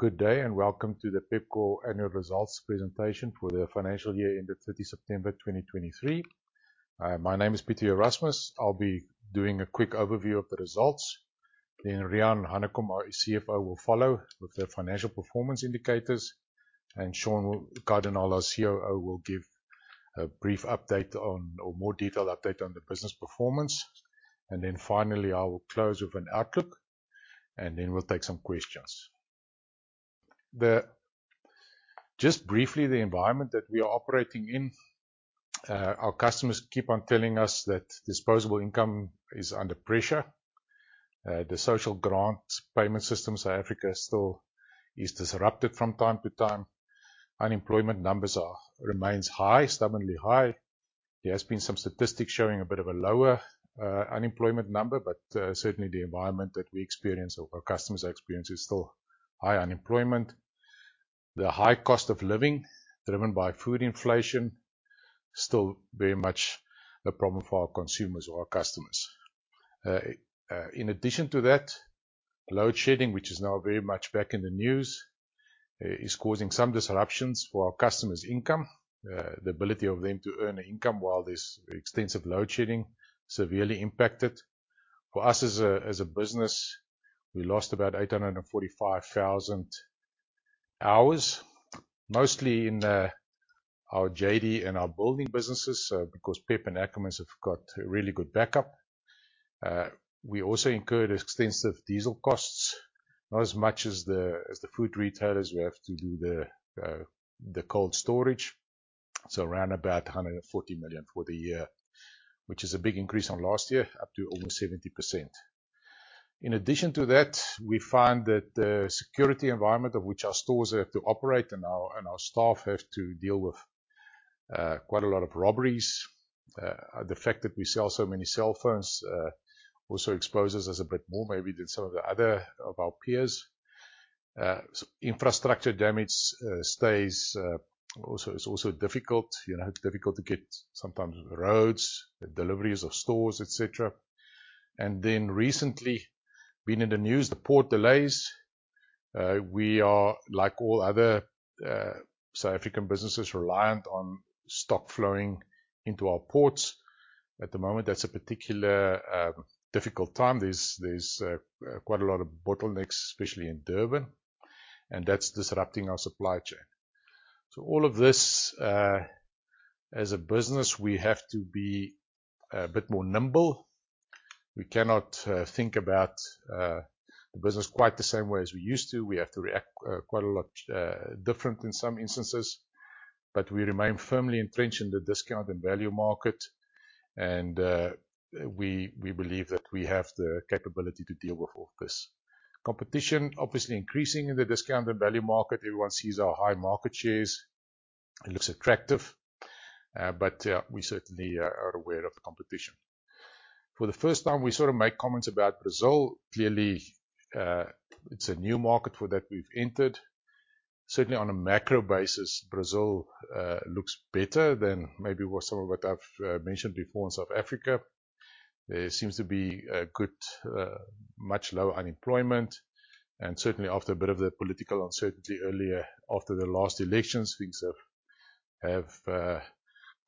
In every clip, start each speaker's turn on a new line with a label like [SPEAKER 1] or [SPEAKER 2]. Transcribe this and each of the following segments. [SPEAKER 1] Good day, and welcome to the Pepkor Annual Results presentation for the Financial Year ended 30 September 2023. My name is Pieter Erasmus. I'll be doing a quick overview of the results. Then Riaan Hanekom, our CFO, will follow with the financial performance indicators, and Sean Cardinaal, our COO, will give a brief update on... or more detailed update on the business performance. And then finally, I will close with an outlook, and then we'll take some questions. Just briefly, the environment that we are operating in, our customers keep on telling us that disposable income is under pressure. The social grant payment system, South Africa, still is disrupted from time to time. Unemployment numbers are, remains high, stubbornly high. There has been some statistics showing a bit of a lower unemployment number, but certainly the environment that we experience or our customers experience is still high unemployment. The high cost of living, driven by food inflation, still very much a problem for our consumers or our customers. In addition to that, load shedding, which is now very much back in the news, is causing some disruptions for our customers' income. The ability of them to earn income while this extensive load shedding severely impacted. For us as a business, we lost about 845,000 hours, mostly in our JD and our building businesses, because PEP and Ackermans have got really good backup. We also incurred extensive diesel costs, not as much as the food retailers who have to do the cold storage. So around about 140 million for the year, which is a big increase on last year, up to almost 70%. In addition to that, we find that the security environment of which our stores have to operate and our staff have to deal with quite a lot of robberies. The fact that we sell so many cellphones also exposes us a bit more maybe than some of the other of our peers. Infrastructure damage is also difficult. You know, it's difficult to get sometimes the roads, the deliveries of stores, et cetera. And then recently, being in the news, the port delays. We are, like all other, South African businesses, reliant on stock flowing into our ports. At the moment, that's a particular difficult time. There's quite a lot of bottlenecks, especially in Durban, and that's disrupting our supply chain. So all of this, as a business, we have to be a bit more nimble. We cannot think about the business quite the same way as we used to. We have to react quite a lot different in some instances, but we remain firmly entrenched in the discount and value market, and we believe that we have the capability to deal with all this. Competition, obviously increasing in the discount and value market. Everyone sees our high market shares. It looks attractive, but we certainly are aware of the competition. For the first time, we sort of make comments about Brazil. Clearly, it's a new market for that we've entered. Certainly on a macro basis, Brazil looks better than maybe what some of what I've mentioned before in South Africa. There seems to be a good much lower unemployment, and certainly after a bit of the political uncertainty earlier after the last elections, things have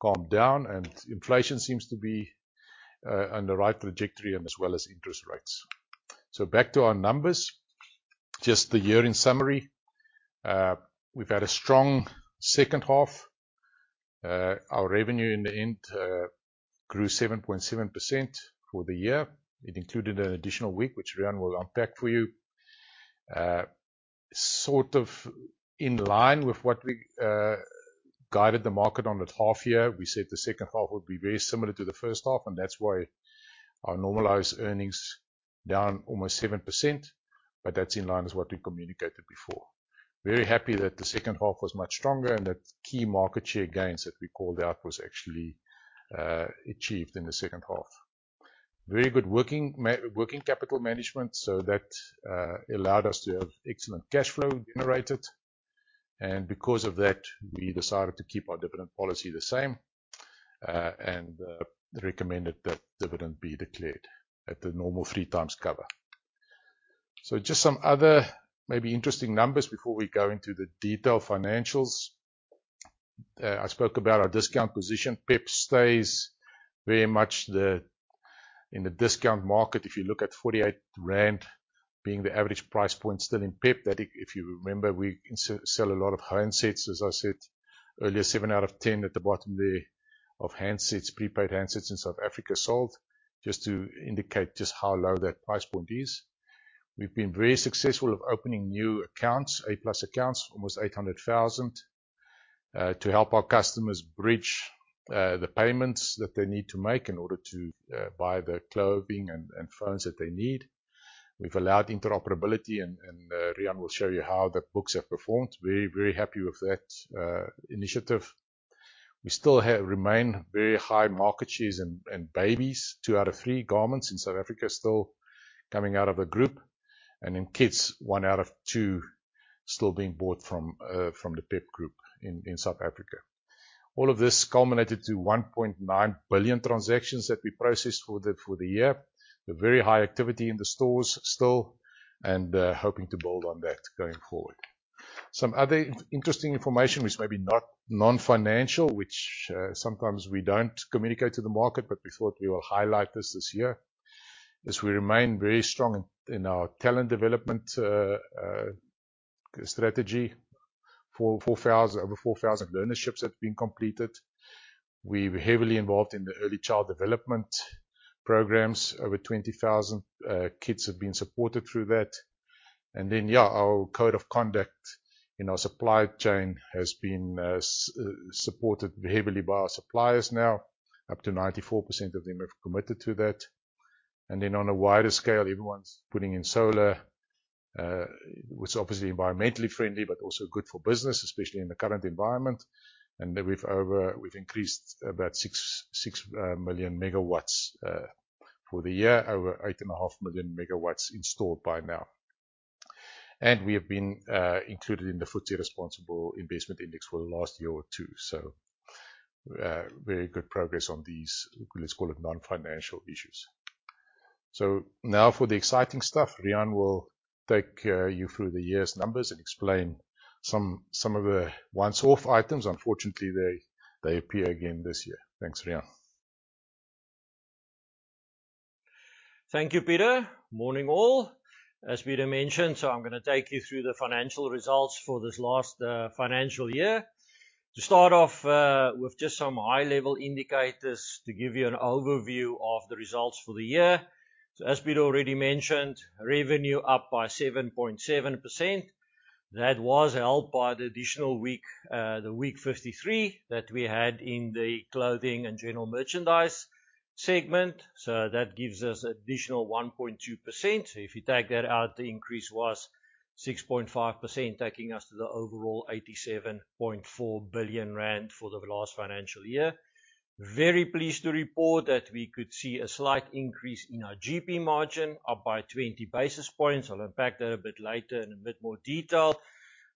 [SPEAKER 1] calmed down, and inflation seems to be on the right trajectory and as well as interest rates. So back to our numbers. Just the year in summary, we've had a strong second half. Our revenue in the end grew 7.7% for the year. It included an additional week, which Riaan will unpack for you. Sort of in line with what we guided the market on at half year. We said the second half would be very similar to the first half, and that's why our normalized earnings down almost 7%, but that's in line with what we communicated before. Very happy that the second half was much stronger and that key market share gains that we called out was actually achieved in the second half. Very good working capital management, so that allowed us to have excellent cash flow generated, and because of that, we decided to keep our dividend policy the same, and recommended that dividend be declared at the normal three times cover. So just some other maybe interesting numbers before we go into the detailed financials. I spoke about our discount position. PEP stays very much the... in the discount market. If you look at 48 rand being the average price point still in PEP, that if you remember, we sell a lot of handsets. As I said earlier, seven out of 10 at the bottom there of handsets, prepaid handsets in South Africa sold, just to indicate just how low that price point is. We've been very successful of opening new accounts, A+ accounts, almost 800,000, to help our customers bridge the payments that they need to make in order to buy the clothing and phones that they need. We've allowed interoperability and, Riaan will show you how the books have performed. Very, very happy with that initiative. We still remain very high market shares in babies. Two out of three garments in South Africa are still coming out of a group, and in kids, out out of two still being bought from from the PEP group in South Africa. All of this culminated to 1.9 billion transactions that we processed for the year. A very high activity in the stores still, and hoping to build on that going forward. Some other interesting information, which may be not non-financial, which sometimes we don't communicate to the market, but we thought we will highlight this this year, is we remain very strong in our talent development strategy. Over 4,000 learnerships have been completed. We're heavily involved in the early child development programs. Over 20,000 kids have been supported through that. And then, yeah, our code of conduct in our supply chain has been supported heavily by our suppliers now. Up to 94% of them have committed to that. And then on a wider scale, everyone's putting in solar, which is obviously environmentally friendly, but also good for business, especially in the current environment. And we've increased about 6 million MW for the year, over 8.5 million MW installed by now. And we have been included in the FTSE Responsible Investment Index for the last year or two, so very good progress on these, let's call it, non-financial issues. So now for the exciting stuff, Riaan will take you through the year's numbers and explain some of the once-off items. Unfortunately, they appear again this year. Thanks, Riaan.
[SPEAKER 2] Thank you, Pieter. Morning, all. As Pieter mentioned, I'm gonna take you through the financial results for this last financial year. To start off with just some high-level indicators to give you an overview of the results for the year. As Pieter already mentioned, revenue up by 7.7%. That was helped by the additional week, the week 53, that we had in the clothing and general merchandise segment, so that gives us additional 1.2%. If you take that out, the increase was 6.5%, taking us to the overall 87.4 billion rand for the last financial year. Very pleased to report that we could see a slight increase in our GP margin, up by 20 basis points. I'll unpack that a bit later in a bit more detail,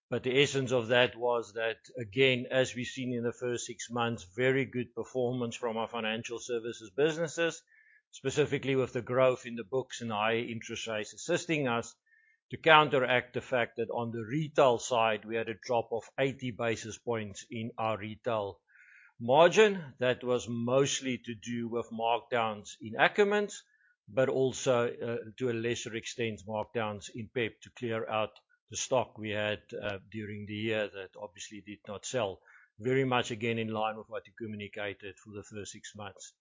[SPEAKER 2] but the essence of that was that, again, as we've seen in the first six months, very good performance from our financial services businesses, specifically with the growth in the books and higher interest rates, assisting us to counteract the fact that on the retail side, we had a drop of 80 basis points in our retail margin. That was mostly to do with markdowns in Ackermans, but also, to a lesser extent, markdowns in PEP to clear out the stock we had, during the year that obviously did not sell. Very much again, in line with what we communicated for the first six months.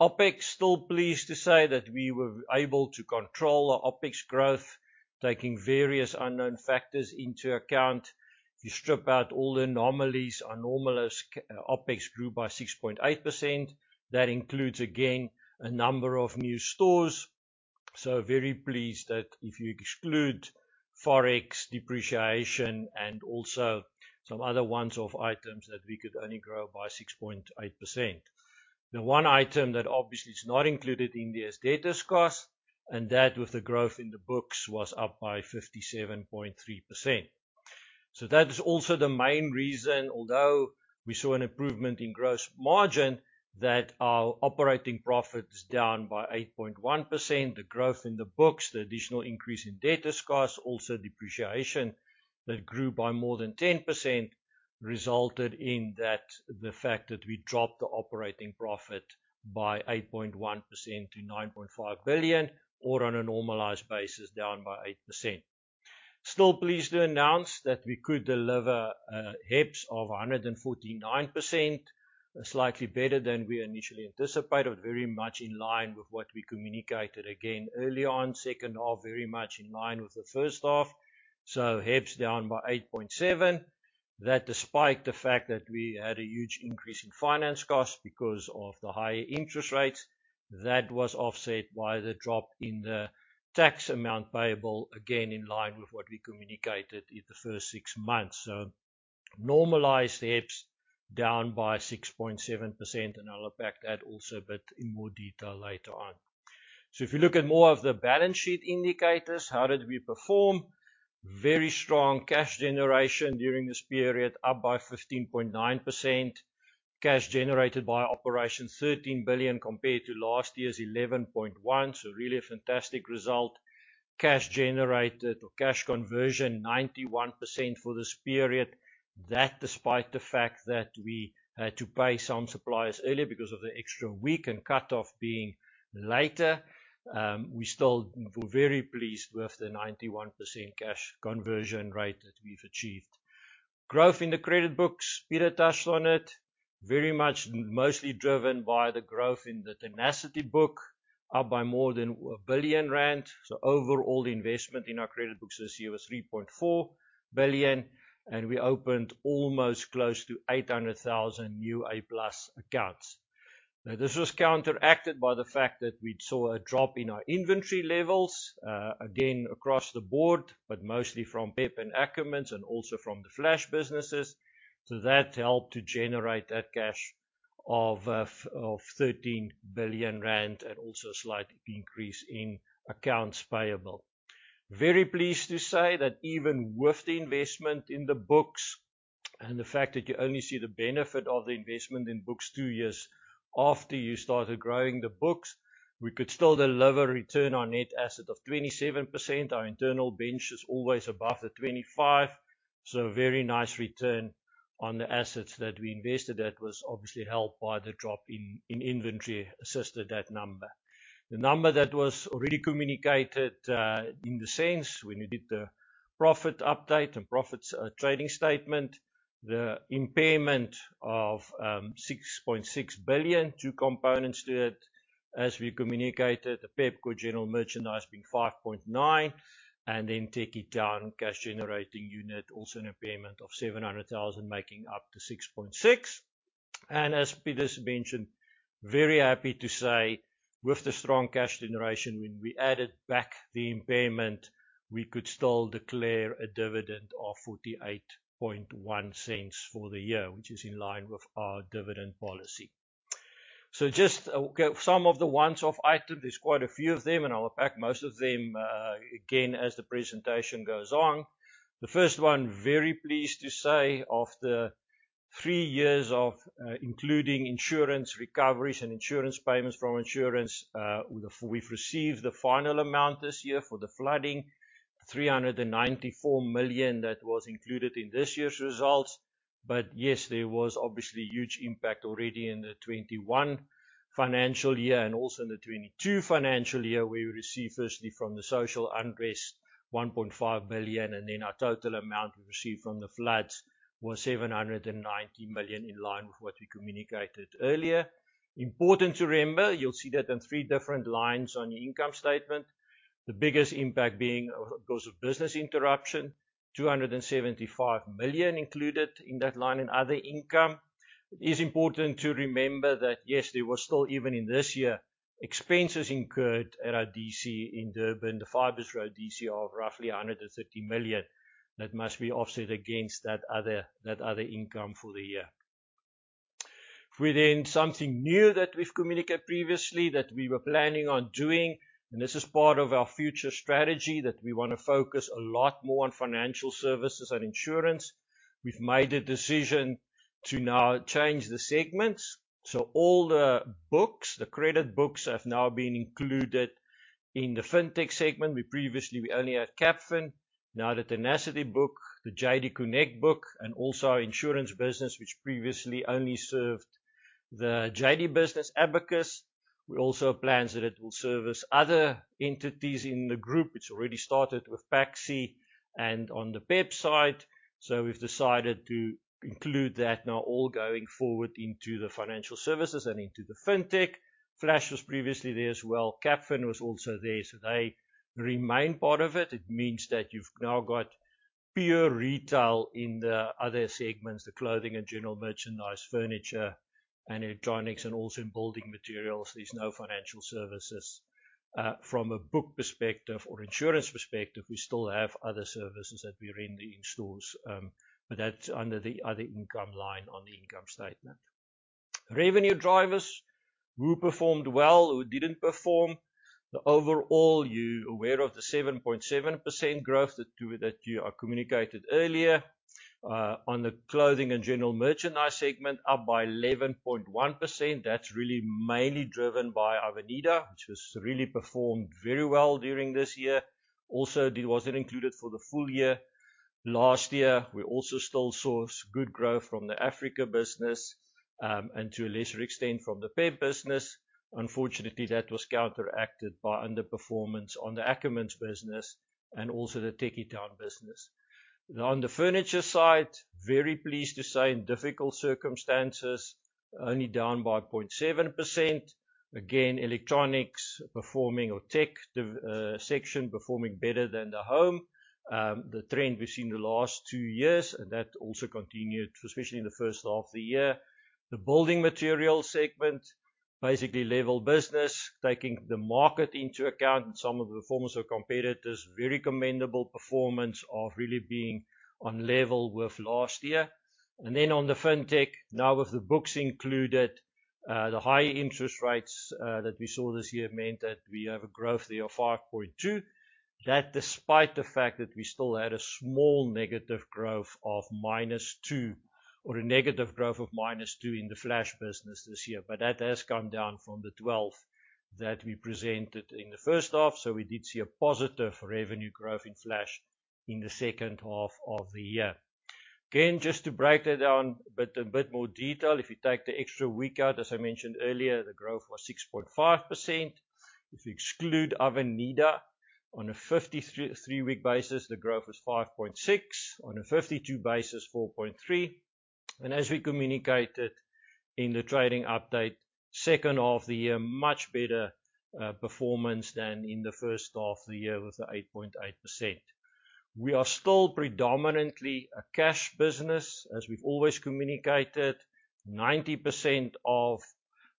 [SPEAKER 2] OpEx, still pleased to say that we were able to control our OpEx growth, taking various unknown factors into account. If you strip out all the anomalies, our normalized OpEx grew by 6.8%. That includes, again, a number of new stores. So very pleased that if you exclude Forex depreciation and also some other once-off items, that we could only grow by 6.8%. The one item that obviously is not included in this, debtors cost, and that, with the growth in the books, was up by 57.3%. So that is also the main reason, although we saw an improvement in gross margin, that our operating profit is down by 8.1%. The growth in the books, the additional increase in debtors cost, also depreciation that grew by more than 10%, resulted in that... The fact that we dropped the operating profit by 8.1% to 9.5 billion, or on a normalized basis, down by 8%. Still pleased to announce that we could deliver HEPS of 149%. Slightly better than we initially anticipated, but very much in line with what we communicated again early on. Second half, very much in line with the first half, so HEPS down by 8.7. That despite the fact that we had a huge increase in finance costs because of the higher interest rates, that was offset by the drop in the tax amount payable, again, in line with what we communicated in the first six months. So normalized HEPS down by 6.7%, and I'll unpack that also a bit in more detail later on. So if you look at more of the balance sheet indicators, how did we perform? Very strong cash generation during this period, up by 15.9%. Cash generated by operations, 13 billion, compared to last year's 11.1 billion, so really a fantastic result. Cash generated or cash conversion, 91% for this period. That despite the fact that we had to pay some suppliers earlier because of the extra week and cutoff being later, we still very pleased with the 91% cash conversion rate that we've achieved. Growth in the credit books, Pieter touched on it. Very much mostly driven by the growth in the Tenacity book, up by more than 1 billion rand. So overall, the investment in our credit books this year was 3.4 billion, and we opened almost close to 800,000 new A+ accounts. Now, this was counteracted by the fact that we saw a drop in our inventory levels, again, across the board, but mostly from PEP and Ackermans, and also from the Flash businesses. So that helped to generate that cash of 13 billion rand, and also a slight increase in accounts payable. Very pleased to say that even with the investment in the books, and the fact that you only see the benefit of the investment in books two years after you started growing the books, we could still deliver a return on net asset of 27%. Our internal bench is always above 25%, so a very nice return on the assets that we invested. That was obviously helped by the drop in inventory, assisted that number. The number that was already communicated, in the sense when we did the profit update and trading statement, the impairment of 6.6 billion, two components to it. As we communicated, the Pepkor General Merchandise being 5.9 billion, and then Tekkie Town cash generating unit, also an impairment of 700,000, making up to 6.6 billion. And as Pieter mentioned, very happy to say, with the strong cash generation, when we added back the impairment, we could still declare a dividend of 0.481 for the year, which is in line with our dividend policy. So just, some of the one-off items, there's quite a few of them, and I'll pack most of them, again, as the presentation goes on. The first one, very pleased to say, after three years of including insurance recoveries and insurance payments from insurance, we've received the final amount this year for the flooding, 394 million that was included in this year's results. But yes, there was obviously a huge impact already in the 2021 financial year and also in the 2022 financial year, where we received firstly from the social unrest, 1.5 billion, and then our total amount we received from the floods was 790 million, in line with what we communicated earlier. Important to remember, you'll see that in three different lines on the income statement, the biggest impact being of, because of business interruption, 275 million included in that line, and other income. It is important to remember that, yes, there was still, even in this year, expenses incurred at our DC in Durban, the Fibres Road DC, of roughly 130 million, that must be offset against that other, that other income for the year. We then, something new that we've communicated previously that we were planning on doing, and this is part of our future strategy, that we wanna focus a lot more on financial services and insurance. We've made a decision to now change the segments, so all the books, the credit books, have now been included in the Fintech segment. We previously, we only had Capfin, now the Tenacity book, the JD Connect book, and also our insurance business, which previously only served the JD business, Abacus. We also have plans that it will service other entities in the group. It's already started with PAXI and on the PEP side. So we've decided to include that now, all going forward into the financial services and into the Fintech. Flash was previously there as well. Capfin was also there, so they remain part of it. It means that you've now got pure retail in the other segments, the clothing and general merchandise, furniture, and electronics, and also in building materials. There's no financial services. From a book perspective or insurance perspective, we still have other services that we render in stores, but that's under the other income line on the income statement. Revenue drivers, who performed well, who didn't perform? Overall, you're aware of the 7.7% growth that you communicated earlier. On the clothing and general merchandise segment, up by 11.1%. That's really mainly driven by Avenida, which has really performed very well during this year. Also, it wasn't included for the full year. Last year, we also still saw good growth from the Africa business, and to a lesser extent, from the PEP business. Unfortunately, that was counteracted by underperformance on the Ackermans business and also the Tekkie Town business. Now, on the furniture side, very pleased to say, in difficult circumstances, only down by 0.7%. Again, electronics performing or tech section performing better than the home. The trend we've seen the last two years, and that also continued, especially in the first half of the year. The building material segment, basically level business, taking the market into account and some of the performance of competitors. Very commendable performance of really being on level with last year. And then on the Fintech, now with the books included, the high interest rates that we saw this year meant that we have a growth there of 5.2%. That despite the fact that we still had a small negative growth of -2%, or a negative growth of -2% in the Flash business this year. But that has come down from the 12% that we presented in the first half, so we did see a positive revenue growth in Flash in the second half of the year. Again, just to break that down but in a bit more detail, if you take the extra week out, as I mentioned earlier, the growth was 6.5%. If you exclude Avenida, on a 53-week basis, the growth was 5.6%, on a 52-week basis, 4.3%. As we communicated in the trading update, second half of the year, much better performance than in the first half of the year with the 8.8%. We are still predominantly a cash business, as we've always communicated. 90% of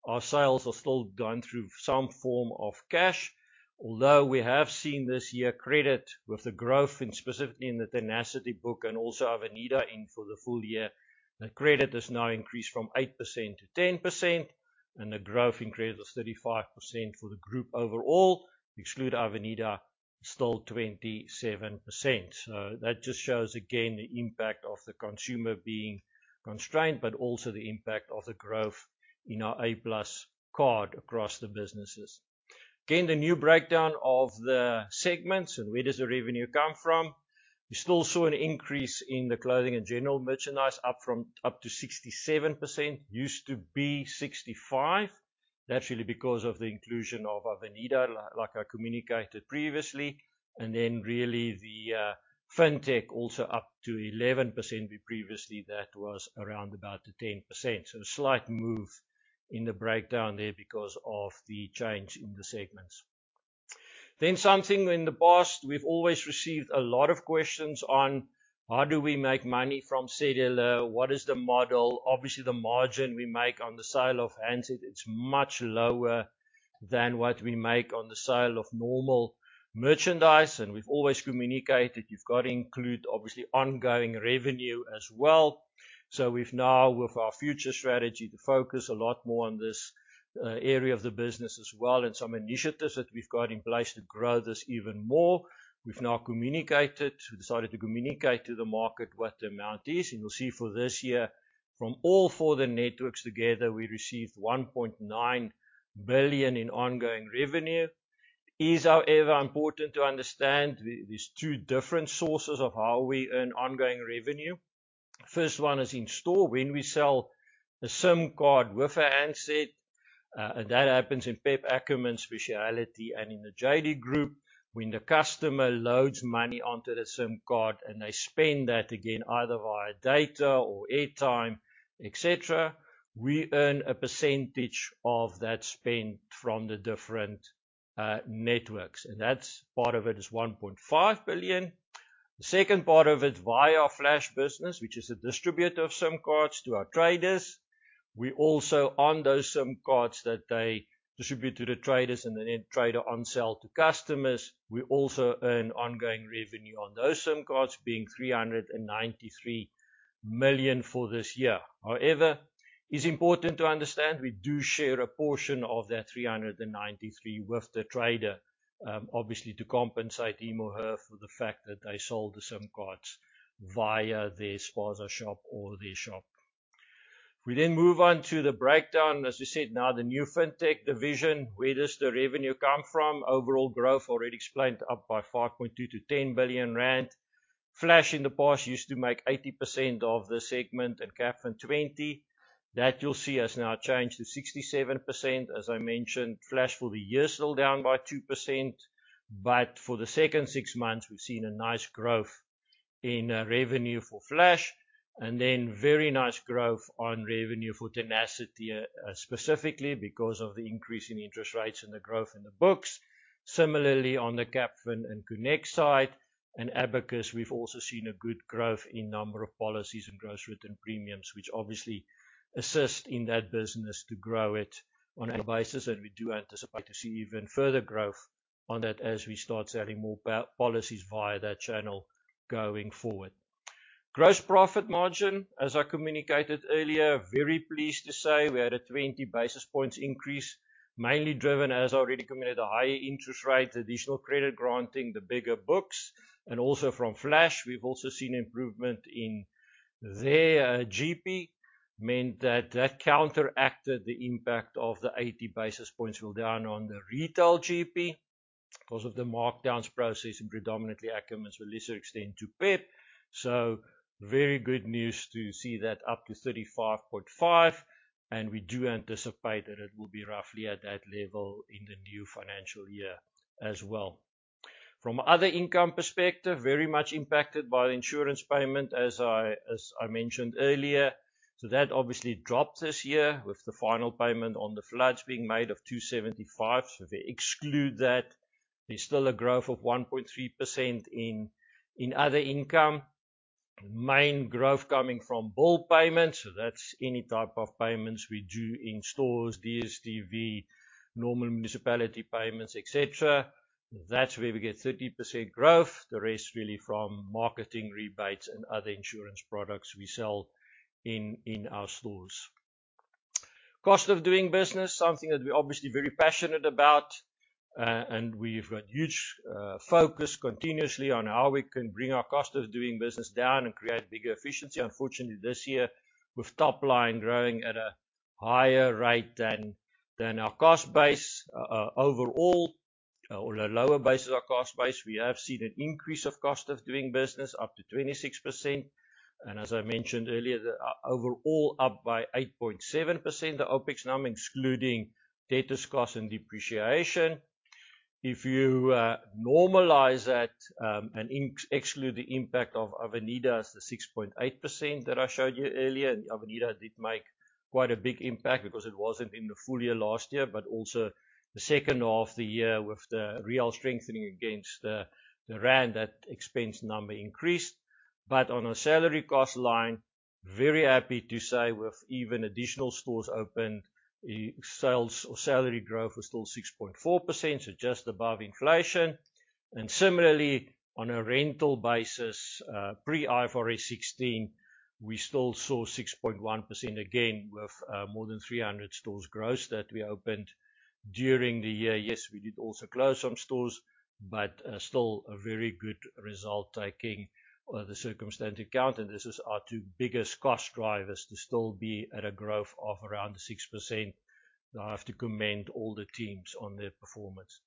[SPEAKER 2] our sales are still done through some form of cash, although we have seen this year credit with the growth in, specifically in the Tenacity book and also Avenida in for the full year. The credit has now increased from 8%-10%, and the growth in credit was 35% for the group overall. Exclude Avenida, still 27%. So that just shows again, the impact of the consumer being constrained, but also the impact of the growth in our A+ card across the businesses. Again, the new breakdown of the segments, and where does the revenue come from? We still saw an increase in the clothing and general merchandise, up from, up to 67%. Used to be 65%. Naturally, because of the inclusion of Avenida, like I communicated previously, and then really the Fintech also up to 11%. Previously, that was around about 10%. So a slight move in the breakdown there because of the change in the segments. Then something in the past, we've always received a lot of questions on: How do we make money from Cellular? What is the model? Obviously, the margin we make on the sale of handset, it's much lower than what we make on the sale of normal merchandise, and we've always communicated, you've got to include, obviously, ongoing revenue as well. So we've now, with our future strategy, to focus a lot more on this area of the business as well, and some initiatives that we've got in place to grow this even more. We've now communicated—We decided to communicate to the market what the amount is, and you'll see for this year, from all four of the networks together, we received 1.9 billion in ongoing revenue. It is, however, important to understand there, there's two different sources of how we earn ongoing revenue. First one is in store, when we sell a SIM card with a handset, and that happens in PEP, Ackermans, Speciality and in the JD Group. When the customer loads money onto the SIM card, and they spend that again, either via data or airtime, et cetera, we earn a percentage of that spend from the different networks, and that's... Part of it is 1.5 billion. The second part of it via Flash business, which is a distributor of SIM cards to our traders. We also, on those SIM cards that they distribute to the traders and the end trader on sell to customers, we also earn ongoing revenue on those SIM cards, being 393 million for this year. However, it's important to understand, we do share a portion of that three hundred and ninety-three with the trader, obviously, to compensate him or her for the fact that they sold the SIM cards via their spaza shop or their shop. We then move on to the breakdown. As I said, now, the new Fintech division, where does the revenue come from? Overall growth, already explained, up by 5.2 billion-10 billion rand. Flash in the past used to make 80% of the segment and Capfin 20%. That you'll see has now changed to 67%. As I mentioned, Flash for the year is still down by 2%, but for the second six months, we've seen a nice growth in revenue for Flash, and then very nice growth on revenue for Tenacity, specifically because of the increase in interest rates and the growth in the books. Similarly, on the Capfin and Connect side, and Abacus, we've also seen a good growth in number of policies and gross written premiums, which obviously assist in that business to grow it on an annual basis, and we do anticipate to see even further growth on that as we start selling more policies via that channel going forward. Gross profit margin, as I communicated earlier, very pleased to say we had a 20 basis points increase, mainly driven, as already communicated, the higher interest rate, additional credit granting, the bigger books, and also from Flash. We've also seen improvement in their GP, meant that that counteracted the impact of the 80 basis points were down on the retail GP because of the markdowns process in predominantly Ackermans, but lesser extent to PEP. So very good news to see that up to 35.5, and we do anticipate that it will be roughly at that level in the new financial year as well. From other income perspective, very much impacted by the insurance payment, as I, as I mentioned earlier. So that obviously dropped this year with the final payment on the floods being made of 275. So if we exclude that, there's still a growth of 1.3% in other income. Main growth coming from bill payments, so that's any type of payments we do in stores, DStv, normal municipality payments, et cetera. That's where we get 30% growth. The rest really from marketing rebates and other insurance products we sell in our stores. Cost of doing business, something that we're obviously very passionate about, and we've got huge focus continuously on how we can bring our cost of doing business down and create bigger efficiency. Unfortunately, this year, with top line growing at a higher rate than our cost base, overall, or the lower base of our cost base, we have seen an increase of cost of doing business up to 26%, and as I mentioned earlier, the overall up by 8.7%, the OpEx number, excluding debtors cost and depreciation. If you normalize that, and exclude the impact of Avenida as the 6.8% that I showed you earlier, and Avenida did make quite a big impact because it wasn't in the full year last year, but also the second half of the year, with the real strengthening against the rand, that expense number increased. But on our salary cost line, very happy to say with even additional stores opened, the sales or salary growth was still 6.4%, so just above inflation. And similarly, on a rental basis, pre-IFRS 16, we still saw 6.1%, again, with more than 300 stores gross that we opened during the year. Yes, we did also close some stores, but still a very good result taking the circumstance account, and this is our two biggest cost drivers to still be at a growth of around 6%. Now, I have to commend all the teams on their performance.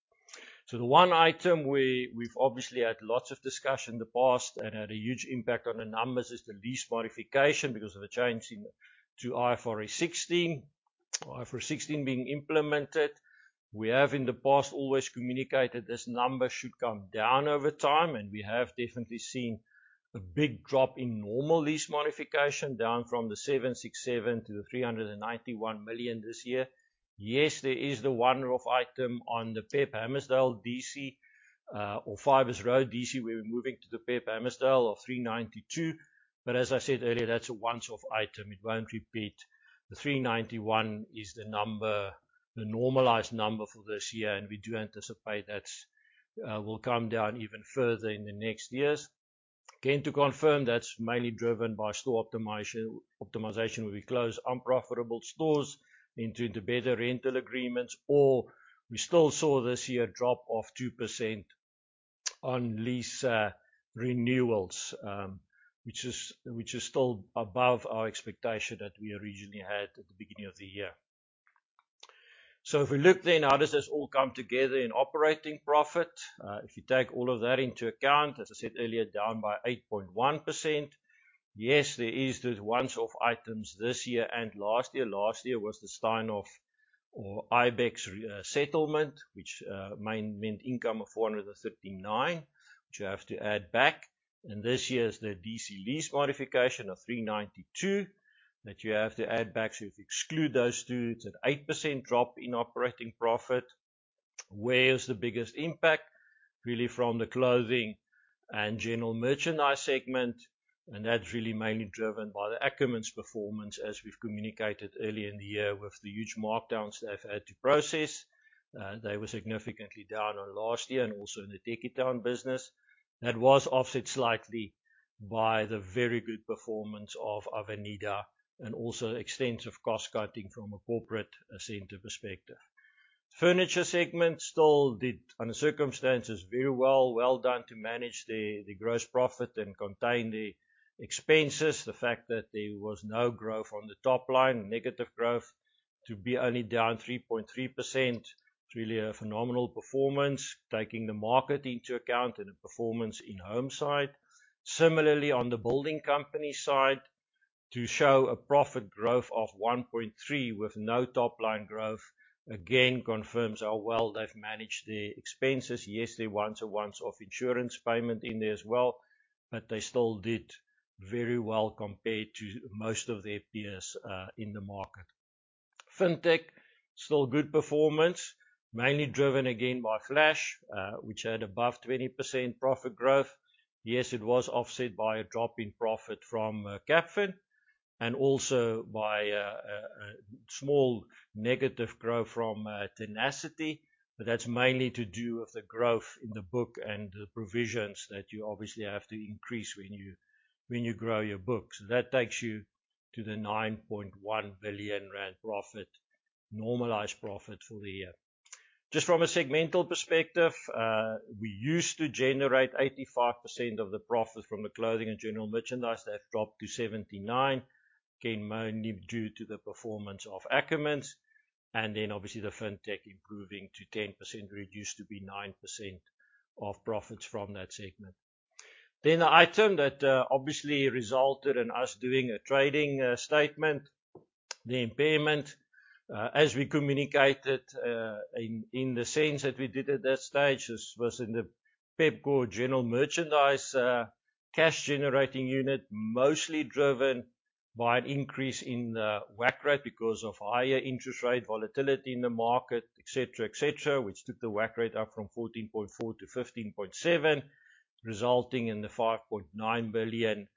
[SPEAKER 2] So the one item we've obviously had lots of discussion in the past and had a huge impact on the numbers, is the lease modification because of a change in to IFRS 16. IFRS 16 being implemented. We have in the past always communicated this number should come down over time, and we have definitely seen a big drop in normal lease modification, down from 767 million to 391 million this year. Yes, there is the one-off item on the PEP Hammarsdale DC, or Fiveways Road DC, where we're moving to the PEP Hammarsdale of 392. But as I said earlier, that's a once-off item. It won't repeat. 391 million is the number, the normalized number for this year, and we do anticipate that will come down even further in the next years. Again, to confirm, that's mainly driven by store optimization, where we close unprofitable stores into the better rental agreements, or we still saw this year a drop of 2% on lease renewals, which is still above our expectation that we originally had at the beginning of the year. So if we look then, how does this all come together in operating profit? If you take all of that into account, as I said earlier, down by 8.1%. Yes, there is those one-off items this year and last year. Last year was the Steinhoff or Ibex settlement, which meant income of 459 million, which you have to add back. And this year is the DC lease modification of 392 million, that you have to add back. So if you exclude those two, it's an 8% drop in operating profit. Where is the biggest impact? Really from the clothing and general merchandise segment, and that's really mainly driven by the Ackermans' performance, as we've communicated earlier in the year, with the huge markdowns they've had to process. They were significantly down on last year and also in the Tekkie Town business. That was offset slightly by the very good performance of Avenida and also extensive cost cutting from a corporate center perspective. Furniture segment still did, under circumstances, very well. Well done to manage the, the gross profit and contain the expenses. The fact that there was no growth on the top line, negative growth, to be only down 3.3%, is really a phenomenal performance, taking the market into account and the performance in home side. Similarly, on the Building Company side, to show a profit growth of 1.3 with no top-line growth, again, confirms how well they've managed their expenses. Yes, there was a once-off insurance payment in there as well, but they still did very well compared to most of their peers, in the market. Fintech, still good performance, mainly driven again by Flash, which had above 20% profit growth. Yes, it was offset by a drop in profit from, Capfin and also by a small negative growth from, Tenacity, but that's mainly to do with the growth in the book and the provisions that you obviously have to increase when you grow your book. So that takes you to the 9.1 billion rand profit, normalized profit for the year. Just from a segmental perspective, we used to generate 85% of the profit from the clothing and general merchandise. That dropped to 79%, again, mainly due to the performance of Ackermans, and then obviously the fintech improving to 10%, where it used to be 9% of profits from that segment. Then the item that obviously resulted in us doing a trading statement, the impairment, as we communicated, in the sense that we did at that stage, this was in the Pepkor General Merchandise cash generating unit, mostly driven by an increase in the WACC rate because of higher interest rate volatility in the market, et cetera, et cetera, which took the WACC rate up from 14.4%-15.7%, resulting in the 5.9 billion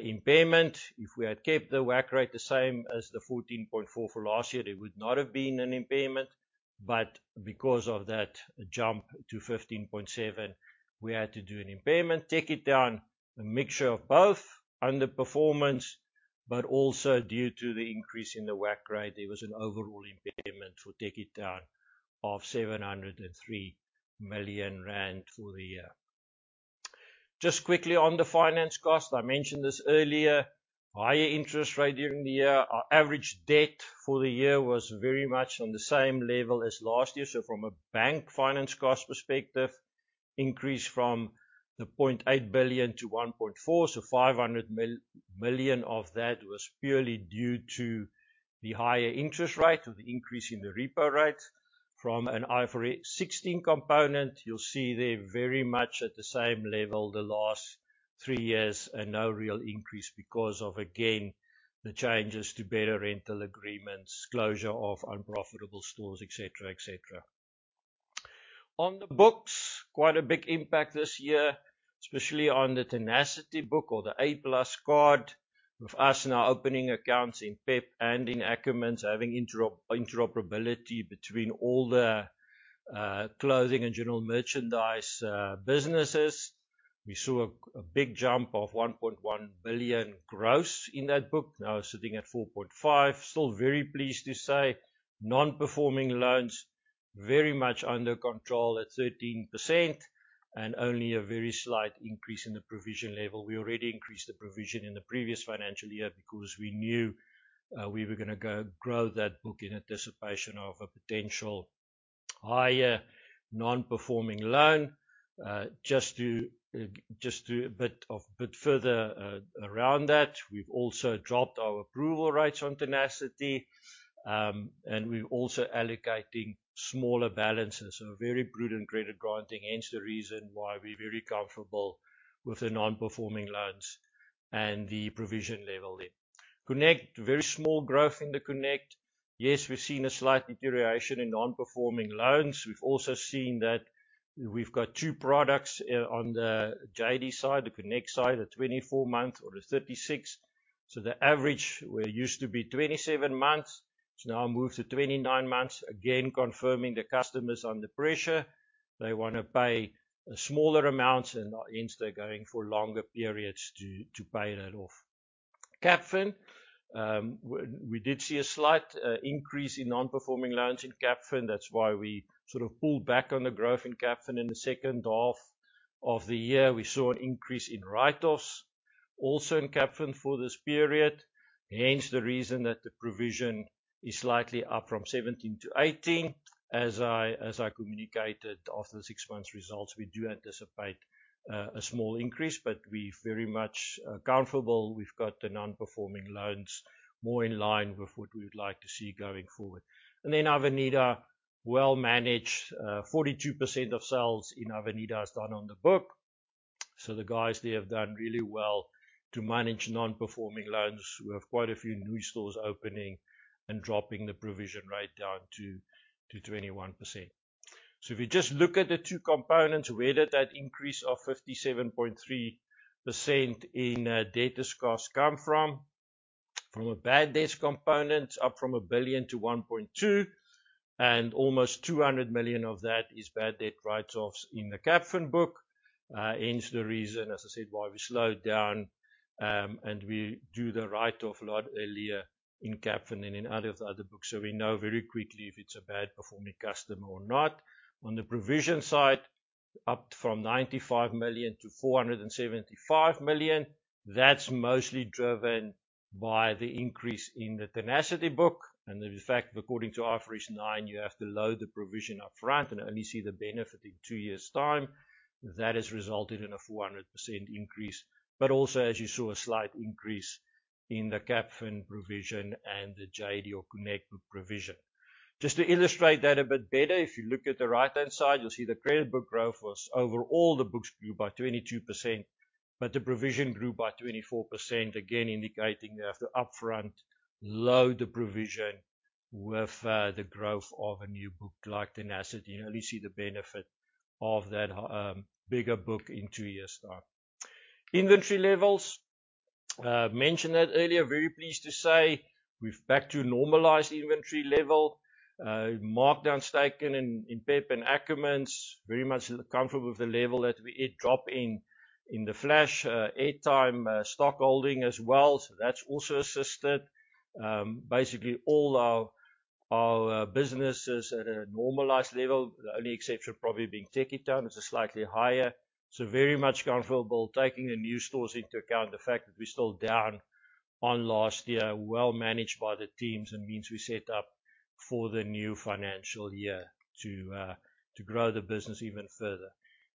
[SPEAKER 2] impairment. If we had kept the WACC rate the same as the 14.4% for last year, there would not have been an impairment, but because of that jump to 15.7%, we had to do an impairment. Tekkie Town, a mixture of both: underperformance, but also due to the increase in the WACC rate, there was an overall impairment for Tekkie Town of 703 million rand for the year. Just quickly on the finance cost, I mentioned this earlier. Higher interest rate during the year. Our average debt for the year was very much on the same level as last year. So from a bank finance cost perspective, increased from 0.8 billion-1.4 billion, so 500 million of that was purely due to the higher interest rate or the increase in the repo rate. From an IFRS 16 component, you'll see they're very much at the same level the last three years, and no real increase because of, again, the changes to better rental agreements, closure of unprofitable stores, et cetera, et cetera. On the books, quite a big impact this year, especially on the Tenacity book or the A+ card, with us now opening accounts in PEP and in Ackermans, having interoperability between all the clothing and general merchandise businesses. We saw a big jump of 1.1 billion gross in that book, now sitting at 4.5 billion. Still very pleased to say, non-performing loans very much under control at 13%, and only a very slight increase in the provision level. We already increased the provision in the previous financial year because we knew we were gonna grow that book in anticipation of a potential higher non-performing loan. Just to add a bit further around that, we've also dropped our approval rates on Tenacity, and we're also allocating smaller balances, so very prudent credit granting, hence the reason why we're very comfortable with the non-performing loans and the provision level then. Connect, very small growth in the Connect. Yes, we've seen a slight deterioration in non-performing loans. We've also seen that we've got two products on the JD side, the Connect side, the 24-month or the 36. So the average, where it used to be 27 months, it's now moved to 29 months. Again, confirming the customer's under pressure. They wanna pay smaller amounts, and hence they're going for longer periods to pay that off. Capfin, we did see a slight increase in non-performing loans in Capfin. That's why we sort of pulled back on the growth in Capfin in the second half of the year. We saw an increase in write-offs, also in Capfin for this period, hence the reason that the provision is slightly up from 17%-18%. As I communicated after the six months results, we do anticipate a small increase, but we're very much comfortable. We've got the non-performing loans more in line with what we would like to see going forward. And then Avenida, well managed. 42% of sales in Avenida is done on the book, so the guys there have done really well to manage non-performing loans. We have quite a few new stores opening and dropping the provision rate down to 21%. So if you just look at the two components, where did that increase of 57.3% in data costs come from? From a bad debts component, up from 1 billion-1.2 billion, and almost 200 million of that is bad debt write-offs in the Capfin book. Hence the reason, as I said, why we slowed down, and we do the write-off a lot earlier in Capfin and in out of the other books, so we know very quickly if it is a bad performing customer or not. On the provision side, up from 95 million-475 million. That's mostly driven by the increase in the Tenacity book, and the fact, according to IFRS 9, you have to load the provision up front and only see the benefit in two years' time. That has resulted in a 400% increase, but also, as you saw, a slight increase in the Capfin provision and the JD or Connect book provision. Just to illustrate that a bit better, if you look at the right-hand side, you'll see the credit book growth was over all the books grew by 22%, but the provision grew by 24%, again, indicating you have to upfront load the provision with, the growth of a new book like Tenacity, and you only see the benefit of that, bigger book in two years' time. Inventory levels, mentioned that earlier. Very pleased to say we're back to normalized inventory level. Markdowns taken in PEP and Ackermans, very much comfortable with the level that we hit. Drop in the Flash airtime stock holding as well, so that's also assisted. Basically all our business is at a normalized level, the only exception probably being Tekkie Town, is slightly higher. So very much comfortable taking the new stores into account, the fact that we're still down on last year, well managed by the teams and means we set up for the new financial year to grow the business even further.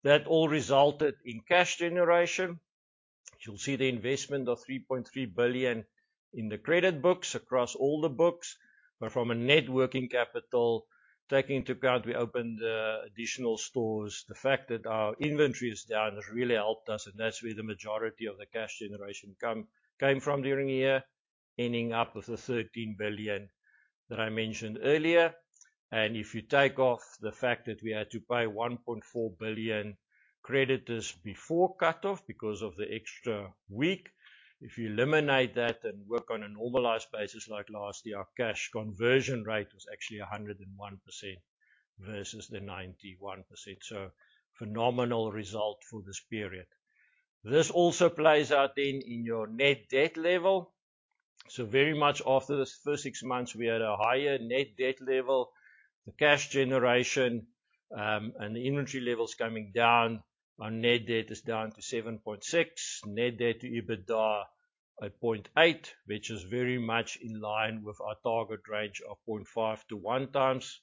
[SPEAKER 2] That all resulted in cash generation. You'll see the investment of 3.3 billion in the credit books across all the books, but from a net working capital, taking into account we opened additional stores. The fact that our inventory is down has really helped us, and that's where the majority of the cash generation came from during the year, ending up with the 13 billion that I mentioned earlier. And if you take off the fact that we had to pay 1.4 billion creditors before cut-off because of the extra week, if you eliminate that and work on a normalized basis like last year, our cash conversion rate was actually 101% versus the 91%. So phenomenal result for this period. This also plays out then in your net debt level. So very much after the first six months, we had a higher net debt level. The cash generation, and the inventory levels coming down, our net debt is down to 7.6 billion. Net debt-to-EBITDA at 0.8x, which is very much in line with our target range of 0.5x-1x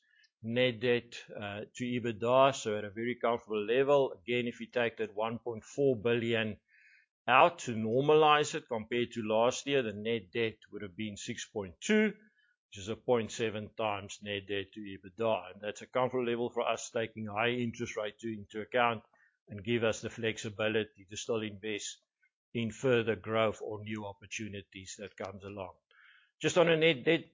[SPEAKER 2] net debt-to-EBITDA, so at a very comfortable level. Again, if you take that 1.4 billion out to normalize it compared to last year, the net debt would have been 6.2 billion, which is a 0.7x net debt-to-EBITDA. And that's a comfortable level for us, taking high interest rates into account, and give us the flexibility to still invest in further growth or new opportunities that comes along. Just on a net debt,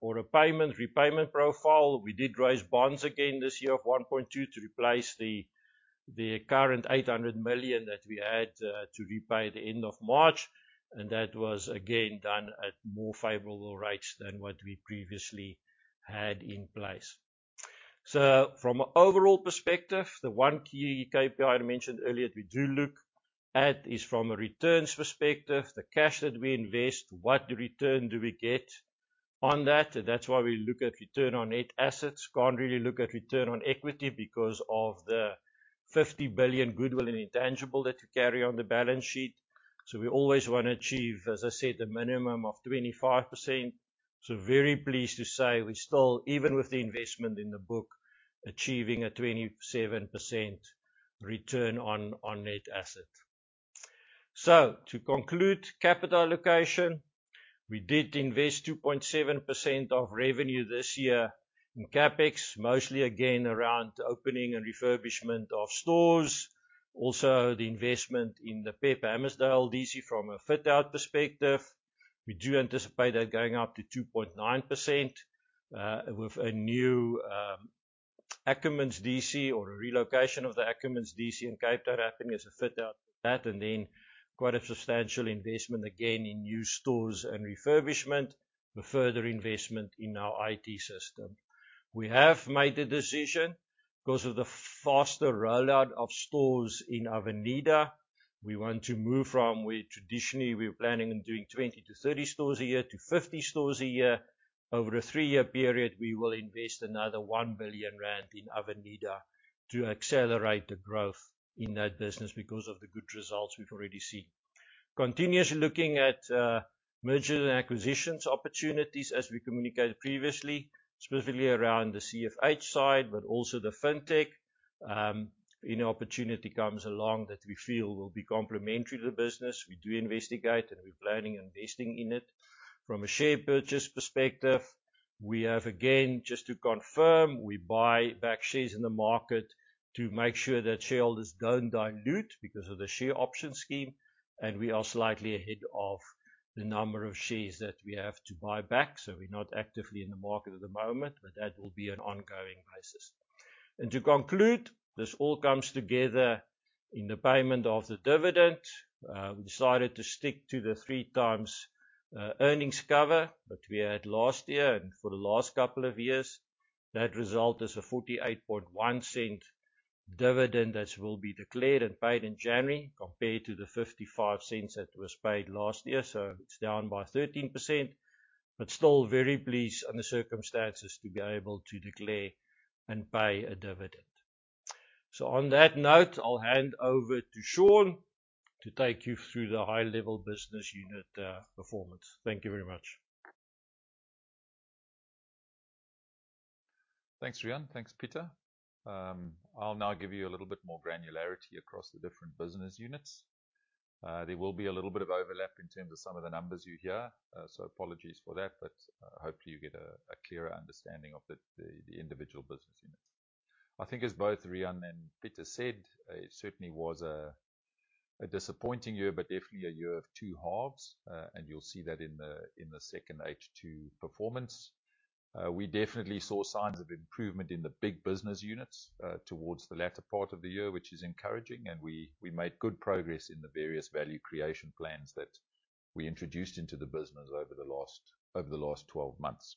[SPEAKER 2] or a payment, repayment profile, we did raise bonds again this year of 1.2 billion to replace the current 800 million that we had to repay at the end of March, and that was again done at more favorable rates than what we previously had in place. So from an overall perspective, the one key KPI I mentioned earlier that we do look at is from a returns perspective, the cash that we invest, what return do we get on that? And that's why we look at return on net assets. Can't really look at return on equity because of the 50 billion goodwill and intangible that we carry on the balance sheet. So we always want to achieve, as I said, a minimum of 25%. So very pleased to say we still, even with the investment in the book, achieving a 27% return on net asset. So to conclude, capital allocation, we did invest 2.7% of revenue this year in CapEx, mostly again, around opening and refurbishment of stores. Also, the investment in the PEP Hammarsdale DC from a fit-out perspective, we do anticipate that going up to 2.9%, with a new Ackermans DC or a relocation of the Ackermans DC in Cape Town happening as a fit-out for that, and then quite a substantial investment, again, in new stores and refurbishment. The further investment in our IT system. We have made a decision because of the faster rollout of stores in Avenida. We want to move from where traditionally we were planning on doing 20-30 stores a year, to 50 stores a year. Over a three-year period, we will invest another 1 billion rand in Avenida to accelerate the growth in that business because of the good results we've already seen. Continuously looking at, mergers and acquisitions opportunities, as we communicated previously, specifically around the CFH side, but also the Fintech. Any opportunity comes along that we feel will be complementary to the business, we do investigate, and we're planning on investing in it. From a share purchase perspective, we have, again, just to confirm, we buy back shares in the market to make sure that shareholders don't dilute because of the share option scheme, and we are slightly ahead of the number of shares that we have to buy back, so we're not actively in the market at the moment, but that will be an ongoing basis. And to conclude, this all comes together in the payment of the dividend. We decided to stick to the 3x earnings cover that we had last year and for the last couple of years. That result is a 0.481 cent dividend that will be declared and paid in January, compared to the 0.55 cents that was paid last year. So it's down by 13%, but still very pleased under the circumstances to be able to declare and pay a dividend. On that note, I'll hand over to Sean to take you through the high-level business unit performance. Thank you very much.
[SPEAKER 3] Thanks, Riaan. Thanks, Pieter. I'll now give you a little bit more granularity across the different business units. There will be a little bit of overlap in terms of some of the numbers you hear, so apologies for that, but hopefully you get a clearer understanding of the individual business units. I think as both Rian and Pieter said, it certainly was a disappointing year, but definitely a year of two halves, and you'll see that in the second H2 performance. We definitely saw signs of improvement in the big business units towards the latter part of the year, which is encouraging, and we made good progress in the various value creation plans that we introduced into the business over the last, over the last 12 months.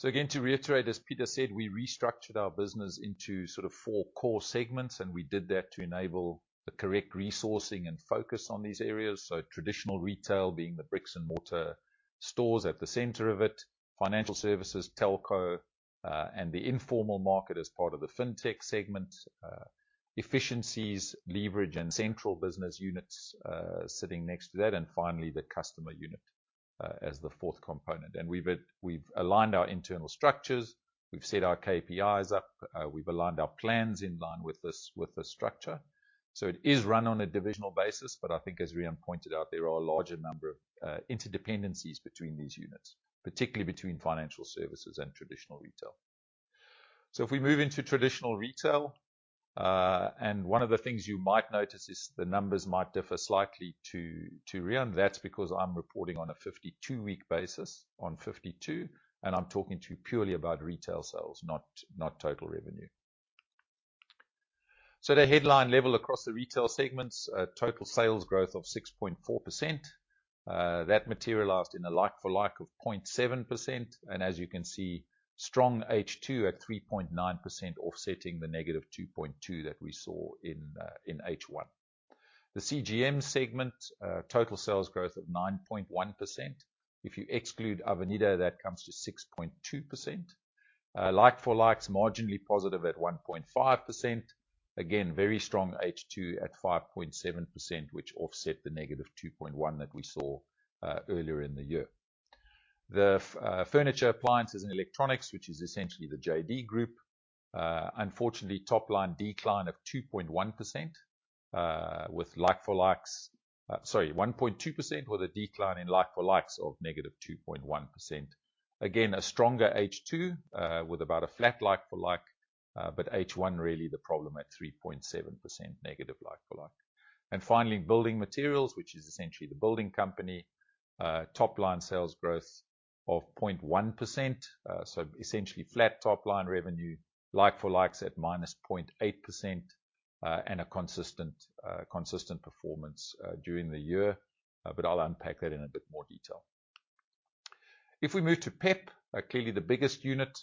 [SPEAKER 3] So again, to reiterate, as Pieter said, we restructured our business into sort of four core segments, and we did that to enable the correct resourcing and focus on these areas. So traditional retail being the bricks-and-mortar stores at the center of it, financial services, telco, and the informal market as part of the Fintech segment, efficiencies, leverage, and central business units, sitting next to that, and finally, the customer unit as the fourth component. We've aligned our internal structures, we've set our KPIs up, we've aligned our plans in line with this, with this structure. So it is run on a divisional basis, but I think as Riaan pointed out, there are a larger number of interdependencies between these units, particularly between financial services and traditional retail. So if we move into traditional retail, and one of the things you might notice is the numbers might differ slightly to Riaan. That's because I'm reporting on a 52-week basis, on 52, and I'm talking to you purely about retail sales, not total revenue. So the headline level across the retail segments, total sales growth of 6.4%. That materialized in a like-for-like of 0.7%, and as you can see, strong H2 at 3.9%, offsetting the negative 2.2% that we saw in H1. The CGM segment, total sales growth of 9.1%. If you exclude Avenida, that comes to 6.2%. Like-for-likes, marginally positive at 1.5%. Again, very strong H2 at 5.7%, which offset the -2.1% that we saw earlier in the year. The furniture, appliances, and electronics, which is essentially the JD Group, unfortunately, top-line decline of 2.1%, sorry, 1.2% with a decline in like-for-likes of -2.1%. Again, a stronger H2 with about a flat like-for-like, but H1 really the problem at -3.7% like-for-like. And finally, building materials, which is essentially The Building Company, top-line sales growth of 0.1%. So essentially flat top-line revenue, like-for-likes at -0.8%, and a consistent, consistent performance during the year. But I'll unpack that in a bit more detail. If we move to PEP, clearly the biggest unit,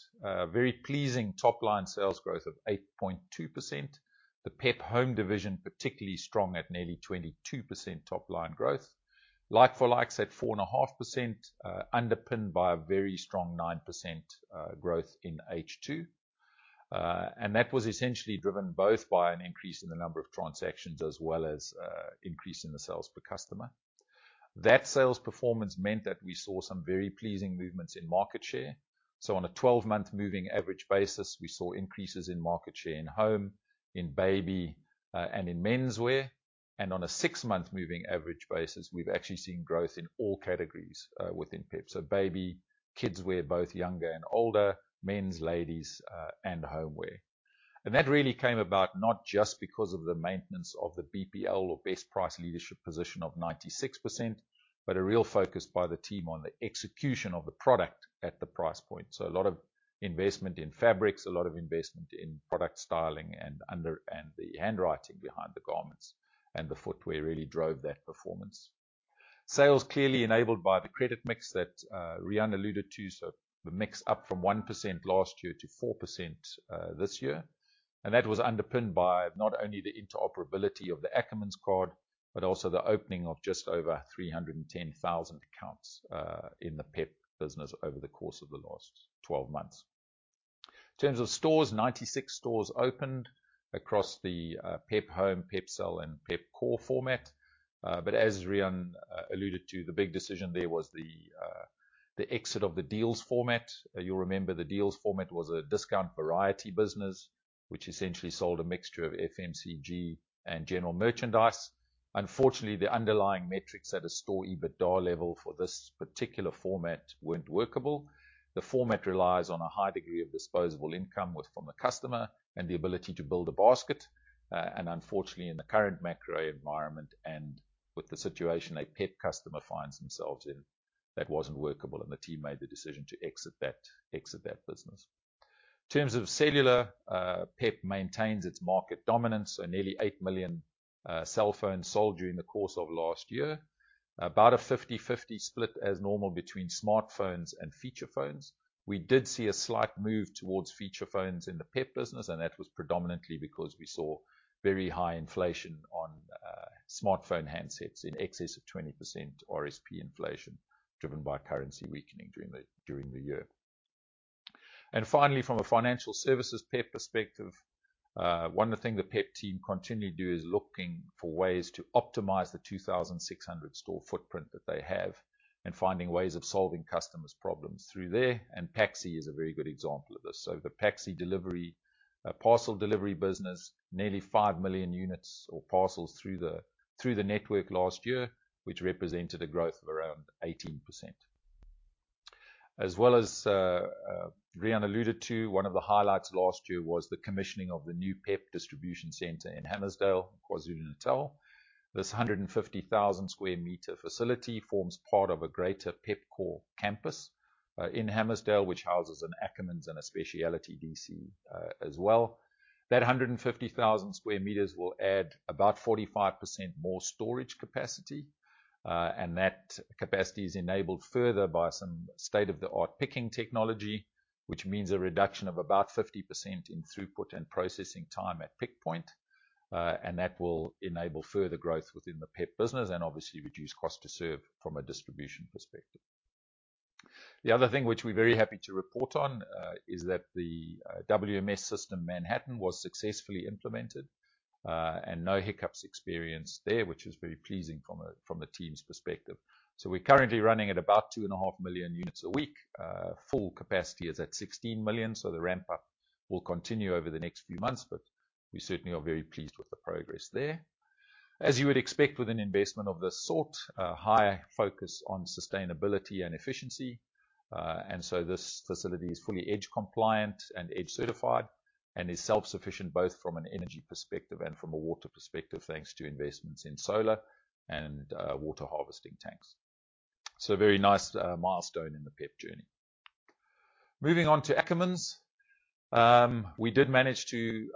[SPEAKER 3] very pleasing top-line sales growth of 8.2%. The PEP Home division, particularly strong at nearly 22% top-line growth. Like-for-likes at 4.5%, underpinned by a very strong 9% growth in H2. And that was essentially driven both by an increase in the number of transactions as well as increase in the sales per customer. That sales performance meant that we saw some very pleasing movements in market share. So on a 12-month moving average basis, we saw increases in market share in home, in baby, and in menswear. And on a 6-month moving average basis, we've actually seen growth in all categories within PEP. So baby, kids wear, both younger and older, men's, ladies, and homeware. And that really came about not just because of the maintenance of the BPL or Best Price Leadership position of 96%, but a real focus by the team on the execution of the product at the price point. So a lot of investment in fabrics, a lot of investment in product styling and underwear and the handstitching behind the garments, and the footwear really drove that performance. Sales clearly enabled by the credit mix that Riaan alluded to, so the mix up from 1% last year to 4% this year. And that was underpinned by not only the interoperability of the Ackermans card, but also the opening of just over 310,000 accounts in the PEP business over the course of the last 12 months. In terms of stores, 96 stores opened across the PEP Home, PEP Cell, and PEP Core format. But as Riaan alluded to, the big decision there was the exit of the Deals format. You'll remember the Deals format was a discount variety business, which essentially sold a mixture of FMCG and general merchandise. Unfortunately, the underlying metrics at a store EBITDA level for this particular format weren't workable. The format relies on a high degree of disposable income with from the customer and the ability to build a basket. And unfortunately, in the current macro environment and with the situation a PEP customer finds themselves in, that wasn't workable, and the team made the decision to exit that, exit that business. In terms of cellular, PEP maintains its market dominance, so nearly 8 million cellphones sold during the course of last year. About a 50/50 split as normal between smartphones and feature phones. We did see a slight move towards feature phones in the PEP business, and that was predominantly because we saw very high inflation on smartphone handsets in excess of 20% RSP inflation, driven by currency weakening during the year. And finally, from a financial services PEP perspective, one of the things the PEP team continually do is looking for ways to optimize the 2,600 store footprint that they have and finding ways of solving customers' problems through there, and PAXI is a very good example of this. So the PAXI delivery, parcel delivery business, nearly 5 million units or parcels through the network last year, which represented a growth of around 18%. As well as, Riaan alluded to, one of the highlights last year was the commissioning of the new PEP distribution center in Hammarsdale, KwaZulu-Natal. This 150,000 sq m facility forms part of a greater Pepkor campus, in Hammarsdale, which houses an Ackermans and a specialty DC, as well. That 150,000 sq m will add about 45% more storage capacity, and that capacity is enabled further by some state-of-the-art picking technology, which means a reduction of about 50% in throughput and processing time at pick point. And that will enable further growth within the PEP business and obviously reduce cost to serve from a distribution perspective. The other thing which we're very happy to report on, is that the, WMS system, Manhattan, was successfully implemented, and no hiccups experienced there, which is very pleasing from a, from a team's perspective. So we're currently running at about 2.5 million units a week. Full capacity is at 16 million, so the ramp up will continue over the next few months, but we certainly are very pleased with the progress there. As you would expect with an investment of this sort, a high focus on sustainability and efficiency, and so this facility is fully EDGE compliant and EDGE certified, and is self-sufficient, both from an energy perspective and from a water perspective, thanks to investments in solar and, water harvesting tanks. So a very nice, milestone in the PEP journey. Moving on to Ackermans. We did manage to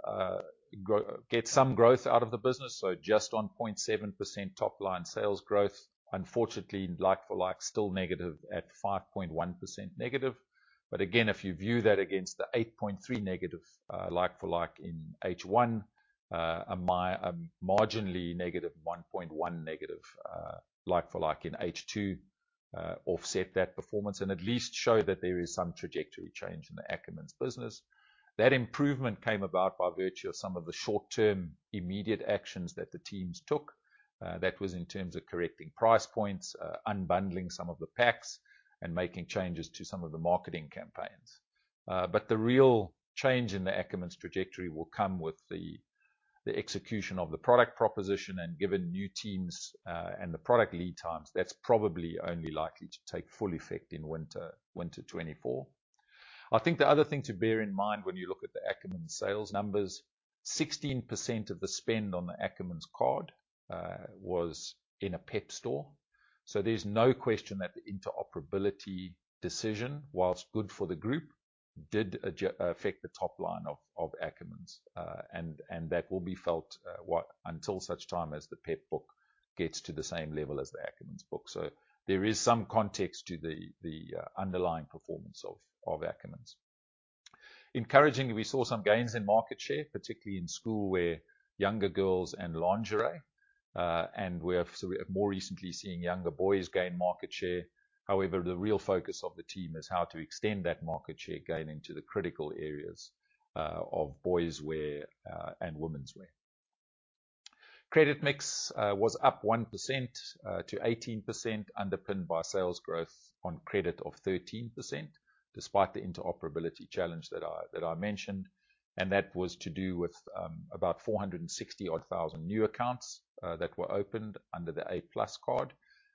[SPEAKER 3] get some growth out of the business, so just 0.7% top-line sales growth. Unfortunately, like-for-like, still negative at 5.1% negative. But again, if you view that against the -8.3% like-for-like in H1, a marginally negative -1.1% like-for-like in H2 offset that performance and at least show that there is some trajectory change in the Ackermans business. That improvement came about by virtue of some of the short-term immediate actions that the teams took. That was in terms of correcting price points, unbundling some of the packs, and making changes to some of the marketing campaigns. But the real change in the Ackermans trajectory will come with the... The execution of the product proposition, and given new teams and the product lead times, that's probably only likely to take full effect in winter 2024. I think the other thing to bear in mind when you look at the Ackermans sales numbers, 16% of the spend on the Ackermans card was in a PEP store. So there's no question that the interoperability decision, whilst good for the group, did affect the top line of Ackermans. And that will be felt until such time as the PEP book gets to the same level as the Ackermans book. So there is some context to the underlying performance of Ackermans. Encouragingly, we saw some gains in market share, particularly in school wear, younger girls and lingerie. We are more recently seeing younger boys gain market share. However, the real focus of the team is how to extend that market share gain into the critical areas of boys wear and women's wear. Credit mix was up 1% to 18%, underpinned by sales growth on credit of 13%, despite the interoperability challenge that I mentioned, and that was to do with about 460,000 new accounts that were opened under the A+ card,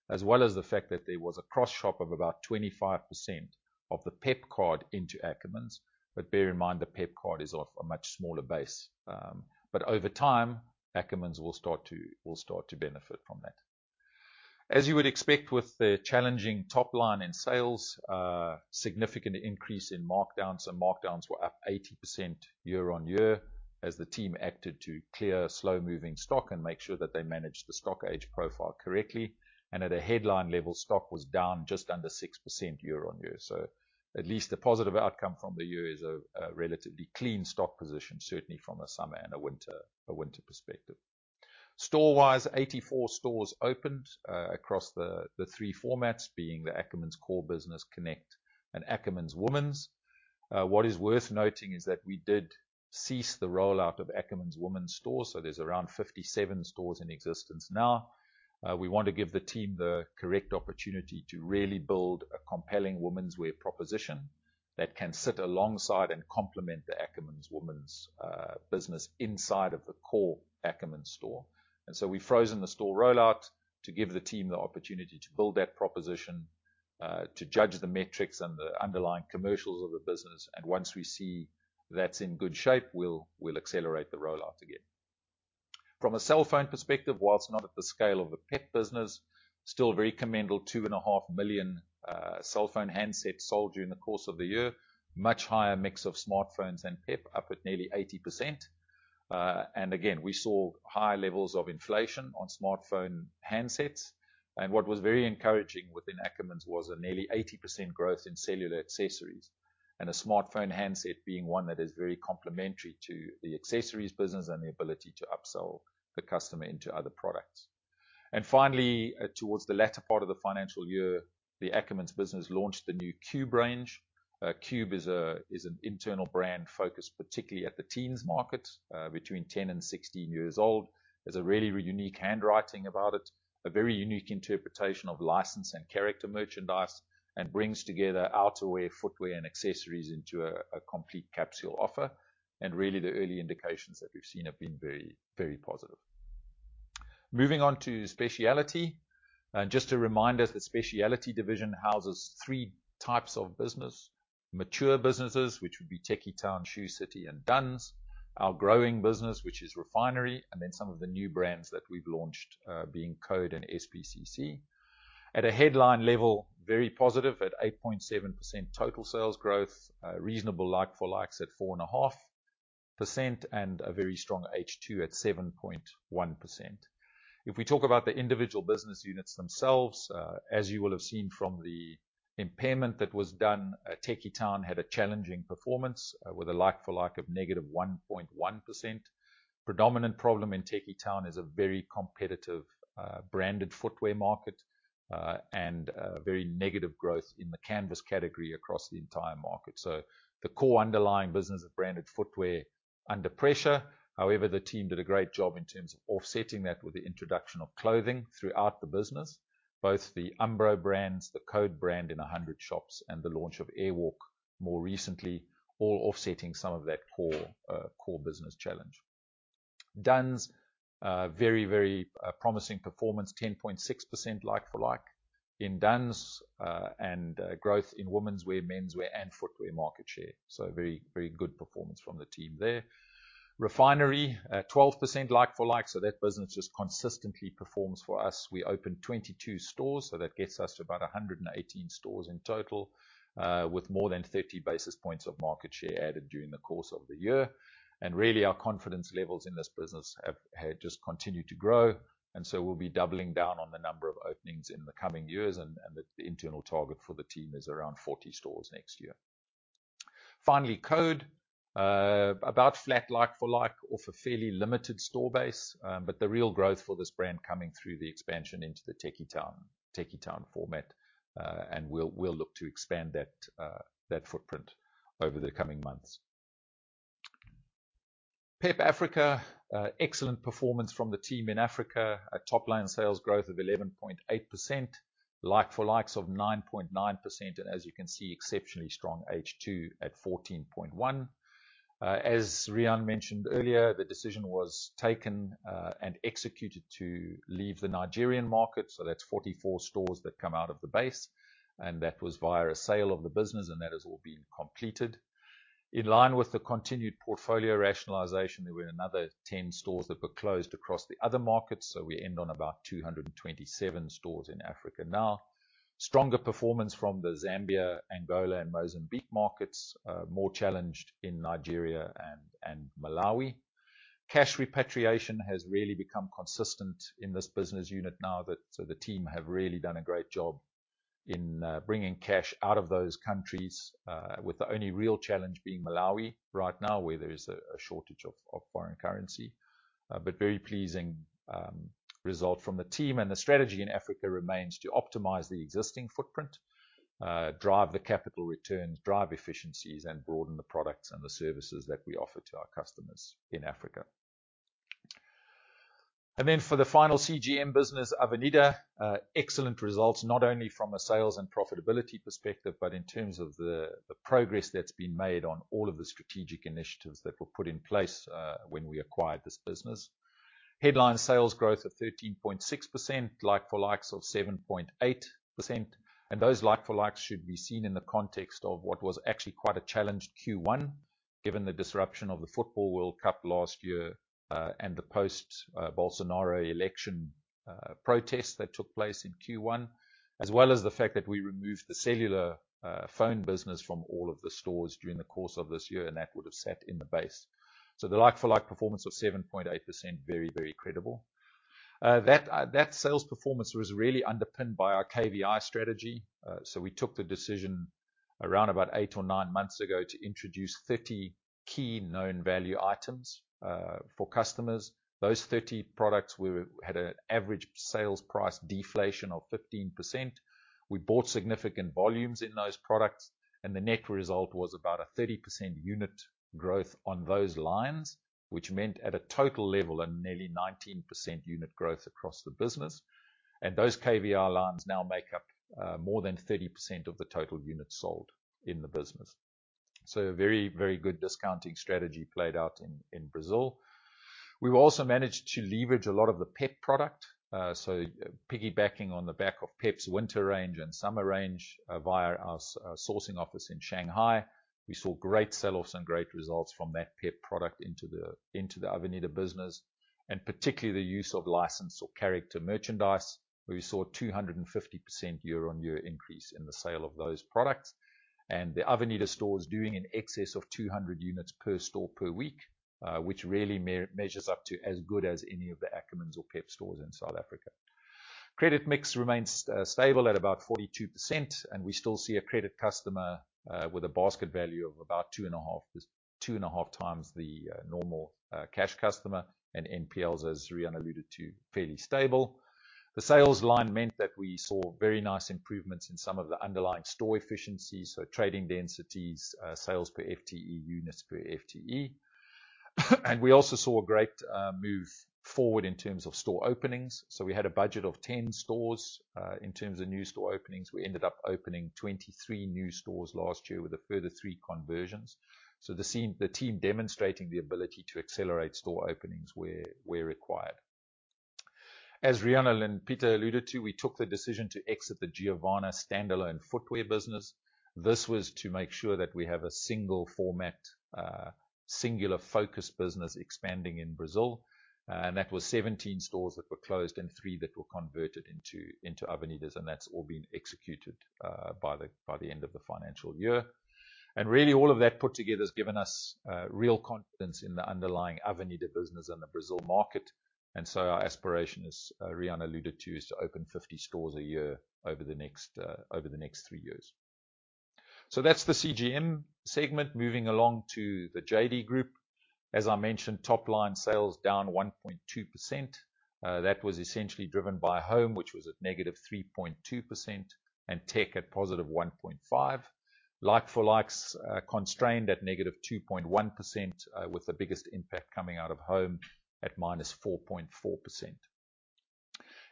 [SPEAKER 3] as well as the fact that there was a cross-shop of about 25% of the PEP card into Ackermans. But bear in mind, the PEP card is of a much smaller base. But over time, Ackermans will start to benefit from that. As you would expect with the challenging top line in sales, significant increase in markdowns, and markdowns were up 80% year-on-year, as the team acted to clear slow-moving stock and make sure that they managed the stock age profile correctly. And at a headline level, stock was down just under 6% year-on-year. So at least a positive outcome from the year is a relatively clean stock position, certainly from a summer and a winter perspective. Store-wise, 84 stores opened across the three formats, being the Ackermans core business, Connect and Ackermans Women's. What is worth noting is that we did cease the rollout of Ackermans Women's stores, so there's around 57 stores in existence now. We want to give the team the correct opportunity to really build a compelling women's wear proposition that can sit alongside and complement the Ackermans Women's business inside of the core Ackermans store. So we've frozen the store rollout to give the team the opportunity to build that proposition to judge the metrics and the underlying commercials of the business, and once we see that's in good shape, we'll accelerate the rollout again. From a cellphone perspective, whilst not at the scale of the PEP business, still very commendable, 2.5 million cellphone handsets sold during the course of the year. Much higher mix of smartphones than PEP, up at nearly 80%. and again, we saw high levels of inflation on smartphone handsets, and what was very encouraging within Ackermans was a nearly 80% growth in cellular accessories, and a smartphone handset being one that is very complementary to the accessories business and the ability to upsell the customer into other products. And finally, towards the latter part of the financial year, the Ackermans business launched the new Cube range. Cube is an internal brand focused, particularly at the teens market, between 10 and 16 years old. There's a really unique handwriting about it, a very unique interpretation of license and character merchandise, and brings together outerwear, footwear, and accessories into a complete capsule offer. And really, the early indications that we've seen have been very, very positive. Moving on to Speciality. Just a reminder that the specialty division houses three types of business: mature businesses, which would be Tekkie Town, Shoe City, and Dunns; our growing business, which is Refinery; and then some of the new brands that we've launched, being Code and SPCC. At a headline level, very positive, at 8.7% total sales growth, reasonable like-for-likes at 4.5%, and a very strong H2 at 7.1%. If we talk about the individual business units themselves, as you will have seen from the impairment that was done, Tekkie Town had a challenging performance, with a like-for-like of -1.1%. Predominant problem in Tekkie Town is a very competitive, branded footwear market, and very negative growth in the canvas category across the entire market. So the core underlying business of branded footwear under pressure. However, the team did a great job in terms of offsetting that with the introduction of clothing throughout the business. Both the Umbro brands, the Code brand in 100 shops, and the launch of Airwalk more recently, all offsetting some of that core core business challenge. Dunns very, very promising performance, 10.6% like-for-like in Dunns and growth in women's wear, menswear, and footwear market share. So very, very good performance from the team there. Refinery, at 12% like for like, so that business just consistently performs for us. We opened 22 stores, so that gets us to about 118 stores in total, with more than 30 basis points of market share added during the course of the year. Really, our confidence levels in this business have just continued to grow, and so we'll be doubling down on the number of openings in the coming years, and the internal target for the team is around 40 stores next year. Finally, Code. About flat like-for-like, off a fairly limited store base, but the real growth for this brand coming through the expansion into the Tekkie Town, Tekkie Town format. And we'll look to expand that footprint over the coming months. PEP Africa, excellent performance from the team in Africa, a top-line sales growth of 11.8%, like-for-likes of 9.9%, and as you can see, exceptionally strong H2 at 14.1%. As Riaan mentioned earlier, the decision was taken and executed to leave the Nigerian market, so that's 44 stores that come out of the base, and that was via a sale of the business, and that has all been completed. In line with the continued portfolio rationalization, there were another 10 stores that were closed across the other markets, so we end on about 227 stores in Africa now. Stronger performance from the Zambia, Angola, and Mozambique markets, more challenged in Nigeria and Malawi. Cash repatriation has really become consistent in this business unit now that so the team have really done a great job in bringing cash out of those countries, with the only real challenge being Malawi right now, where there is a shortage of foreign currency. But very pleasing result from the team, and the strategy in Africa remains to optimize the existing footprint, drive the capital returns, drive efficiencies, and broaden the products and the services that we offer to our customers in Africa. And then for the final CGM business, Avenida, excellent results, not only from a sales and profitability perspective, but in terms of the, the progress that's been made on all of the strategic initiatives that were put in place, when we acquired this business. Headline sales growth of 13.6%, like-for-likes of 7.8%, and those like-for-likes should be seen in the context of what was actually quite a challenged Q1, given the disruption of the Football World Cup last year, and the post-Bolsonaro election protests that took place in Q1, as well as the fact that we removed the cellular phone business from all of the stores during the course of this year, and that would have sat in the base. So the like-for-like performance of 7.8% was very, very credible. That sales performance was really underpinned by our KVI strategy. So we took the decision around about eight or nine months ago to introduce 30 key known value items for customers. Those 30 products, we had an average sales price deflation of 15%. We bought significant volumes in those products, and the net result was about a 30% unit growth on those lines, which meant at a total level, a nearly 19% unit growth across the business. Those KVI lines now make up more than 30% of the total units sold in the business. A very, very good discounting strategy played out in Brazil. We've also managed to leverage a lot of the PEP product, so piggybacking on the back of PEP's winter range and summer range via our sourcing office in Shanghai, we saw great sell-offs and great results from that PEP product into the Avenida business, and particularly the use of licensed or character merchandise, where we saw a 250% year-on-year increase in the sale of those products. The Avenida store is doing in excess of 200 units per store per week, which really measures up to as good as any of the Ackermans or PEP stores in South Africa. Credit mix remains stable at about 42%, and we still see a credit customer with a basket value of about 2.5, 2.5x the normal cash customer, and NPLs, as Riaan alluded to, fairly stable. The sales line meant that we saw very nice improvements in some of the underlying store efficiencies, so trading densities, sales per FTE, units per FTE. And we also saw a great move forward in terms of store openings. So we had a budget of 10 stores in terms of new store openings. We ended up opening 23 new stores last year with a further three conversions. So the team demonstrating the ability to accelerate store openings where required. As Riaan and Pieter alluded to, we took the decision to exit the Giovanna standalone footwear business. This was to make sure that we have a single format, singular focus business expanding in Brazil, and that was 17 stores that were closed and three that were converted into, into Avenidas, and that's all been executed, by the end of the financial year. And really, all of that put together has given us, real confidence in the underlying Avenida business and the Brazil market, and so our aspiration, as, Riaan alluded to, is to open 50 stores a year over the next, over the next three years. So that's the CGM segment. Moving along to the JD Group. As I mentioned, top-line sales down 1.2%. That was essentially driven by home, which was at -3.2%, and tech at +1.5%. Like-for-likes constrained at -2.1%, with the biggest impact coming out of home at -4.4%.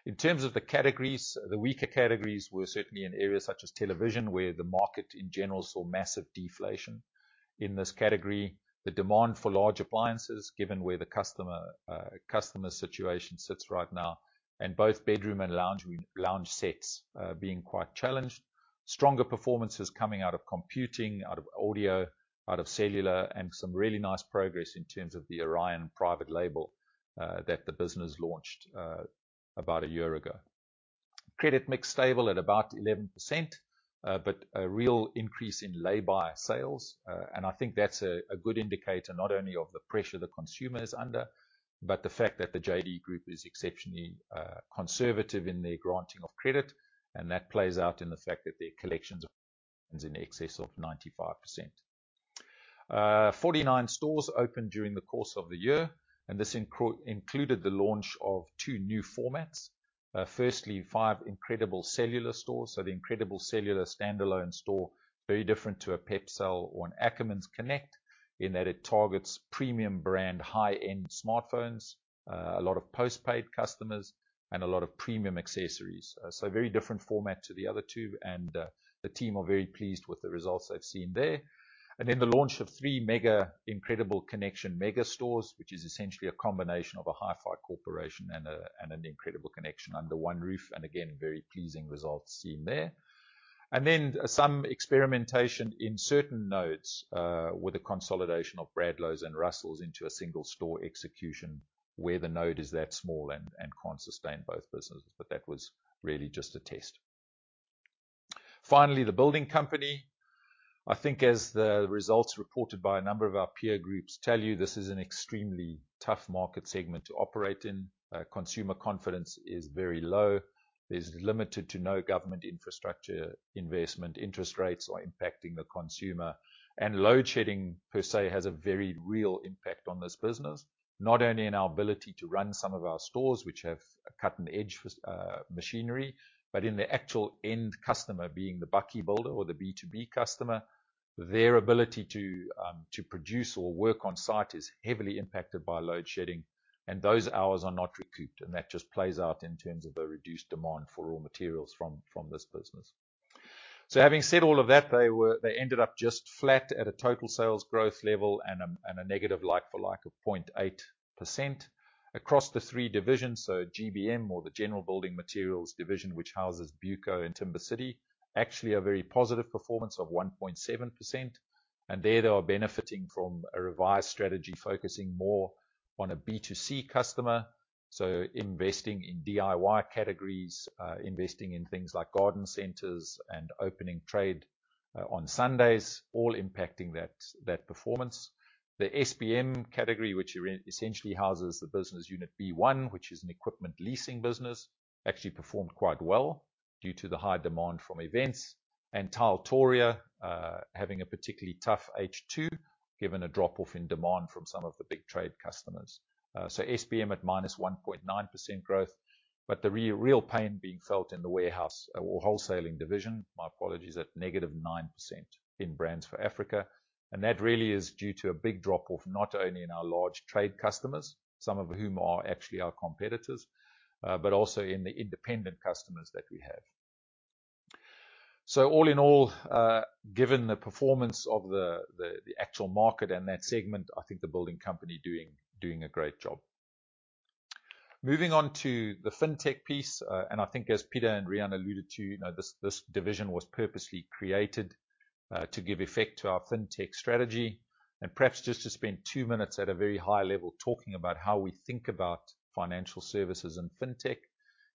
[SPEAKER 3] In terms of the categories, the weaker categories were certainly in areas such as television, where the market in general saw massive deflation. In this category, the demand for large appliances, given where the customer, customer situation sits right now, and both bedroom and lounge, lounge sets, being quite challenged. Stronger performances coming out of computing, out of audio, out of cellular, and some really nice progress in terms of the Orion private label that the business launched about a year ago. Credit mix stable at about 11%, but a real increase in lay-buy sales, and I think that's a good indicator, not only of the pressure the consumer is under, but the fact that the JD Group is exceptionally conservative in their granting of credit, and that plays out in the fact that their collections are in excess of 95%. Forty-nine stores opened during the course of the year, and this included the launch of two new formats. Firstly, five Incredible Cellular stores. So the Incredible Cellular standalone store, very different to a PEP Cell or an Ackermans Connect, in that it targets premium brand, high-end smartphones, a lot of post-paid customers, and a lot of premium accessories. So very different format to the other two, and the team are very pleased with the results they've seen there. Then the launch of three mega Incredible Connection mega stores, which is essentially a combination of a HiFi Corporation and a, and an Incredible Connection under one roof, and again, very pleasing results seen there. Then some experimentation in certain nodes with the consolidation of Bradlows and Russells into a single store execution, where the node is that small and, and can't sustain both businesses, but that was really just a test. Finally, The Building Company. I think as the results reported by a number of our peer groups tell you, this is an extremely tough market segment to operate in. Consumer confidence is very low. There's limited to no government infrastructure investment. Interest rates are impacting the consumer, and load shedding per se has a very real impact on this business. Not only in our ability to run some of our stores, which have cutting-edge machinery, but in the actual end customer, being the Buco builder or the B2B customer. Their ability to produce or work on site is heavily impacted by load shedding, and those hours are not recouped, and that just plays out in terms of a reduced demand for raw materials from this business. So having said all of that, they ended up just flat at a total sales growth level and a negative like for like of 0.8%. Across the three divisions, so GBM or the General Building Materials division, which houses BUCO and Timbercity, actually a very positive performance of 1.7%, and there they are benefiting from a revised strategy, focusing more on a B2C customer, so investing in DIY categories, investing in things like garden centers and opening trade on Sundays, all impacting that performance. The SBM category, which essentially houses the business unit B-One, which is an equipment leasing business, actually performed quite well due to the high demand from events. And Tiletoria, having a particularly tough H2, given a drop-off in demand from some of the big trade customers. So SBM at -1.9% growth, but the real pain being felt in the warehouse or wholesaling division, my apologies, at -9% in Brands 4 Africa, and that really is due to a big drop-off, not only in our large trade customers, some of whom are actually our competitors, but also in the independent customers that we have. So all in all, given the performance of the, the actual market and that segment, I think The Building Company doing a great job. Moving on to the Fintech piece, and I think as Pieter and Riaan alluded to, you know, this, this division was purposely created, to give effect to our Fintech strategy, and perhaps just to spend two minutes at a very high level talking about how we think about financial services and Fintech.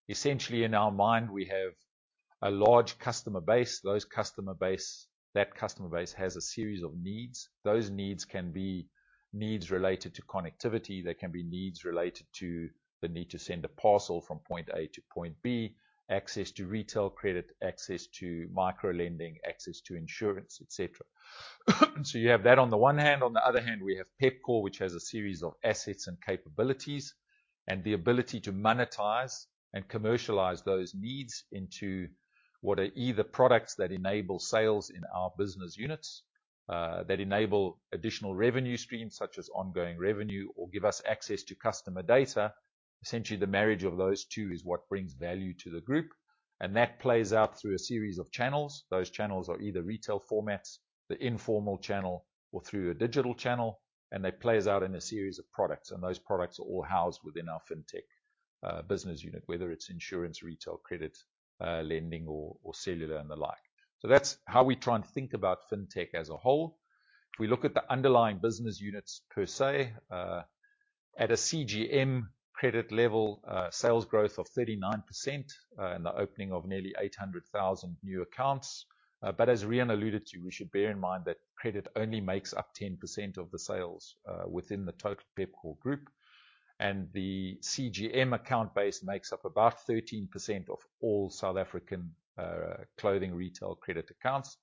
[SPEAKER 3] Essentially, in our mind, we have a large customer base. That customer base has a series of needs. Those needs can be needs related to connectivity, they can be needs related to the need to send a parcel from point A to point B, access to retail credit, access to micro-lending, access to insurance, et cetera. So you have that on the one hand, on the other hand, we have Pepkor, which has a series of assets and capabilities, and the ability to monetize and commercialize those needs into what are either products that enable sales in our business units, that enable additional revenue streams, such as ongoing revenue, or give us access to customer data. Essentially, the marriage of those two is what brings value to the group, and that plays out through a series of channels. Those channels are either retail formats, the informal channel, or through a digital channel, and that plays out in a series of products, and those products are all housed within our fintech business unit, whether it's insurance, retail, credit, lending, or cellular, and the like. So that's how we try and think about fintech as a whole. If we look at the underlying business units per se, at a CGM credit level, sales growth of 39%, and the opening of nearly 800,000 new accounts. But as Riaan alluded to, we should bear in mind that credit only makes up 10% of the sales within the total Pepkor group, and the CGM account base makes up about 13% of all South African clothing retail credit accounts.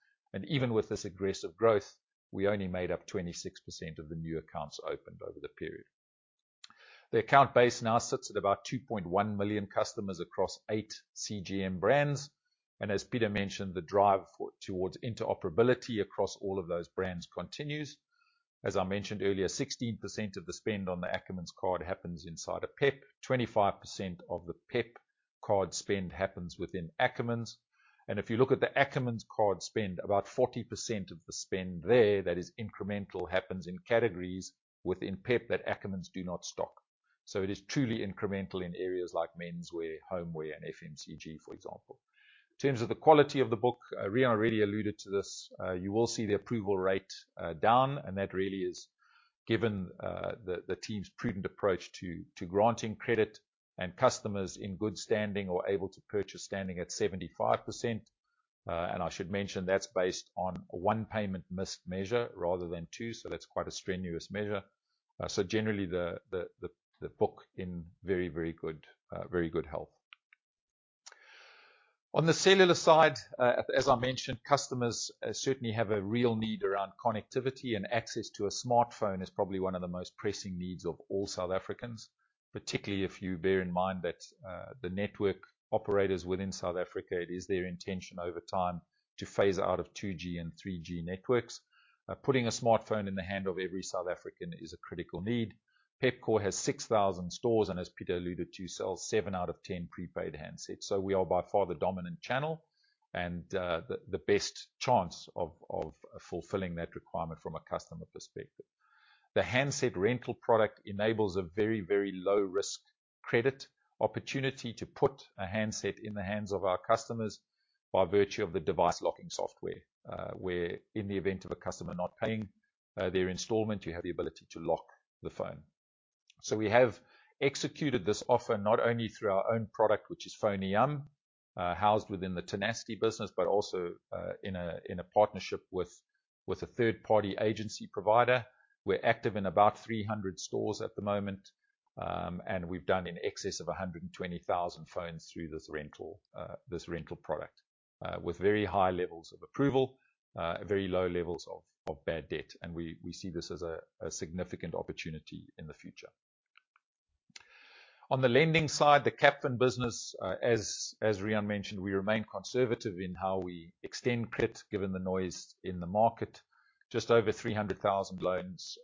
[SPEAKER 3] Even with this aggressive growth, we only made up 26% of the new accounts opened over the period. The account base now sits at about 2.1 million customers across eight CGM brands, and as Pieter mentioned, the drive towards interoperability across all of those brands continues. As I mentioned earlier, 16% of the spend on the Ackermans card happens inside a PEP. 25% of the PEP card spend happens within Ackermans, and if you look at the Ackermans card spend, about 40% of the spend there, that is incremental, happens in categories within PEP that Ackermans do not stock. So it is truly incremental in areas like menswear, homeware, and FMCG, for example. In terms of the quality of the book, Riaan already alluded to this. You will see the approval rate down, and that really is given the team's prudent approach to granting credit and customers in good standing or able to purchase standing at 75%. And I should mention, that's based on a one payment missed measure rather than two, so that's quite a strenuous measure. So generally, the book in very, very good, very good health. On the cellular side, as I mentioned, customers certainly have a real need around connectivity, and access to a smartphone is probably one of the most pressing needs of all South Africans, particularly if you bear in mind that the network operators within South Africa, it is their intention over time to phase out of 2G and 3G networks. Putting a smartphone in the hand of every South African is a critical need. Pepkor has 6,000 stores, and as Pieter alluded to, sells seven out of 10 prepaid handsets. So we are by far the dominant channel and the best chance of fulfilling that requirement from a customer perspective. The handset rental product enables a very, very low-risk credit opportunity to put a handset in the hands of our customers by virtue of the device locking software, where in the event of a customer not paying their installment, you have the ability to lock the phone. So we have executed this offer not only through our own product, which is FoneYam, housed within the Tenacity business, but also in a partnership with a third-party agency provider. We're active in about 300 stores at the moment, and we've done in excess of 120,000 phones through this rental product with very high levels of approval, very low levels of bad debt, and we see this as a significant opportunity in the future. On the lending side, the Capfin business, as Riaan mentioned, we remain conservative in how we extend credit, given the noise in the market. Just over 300,000 loans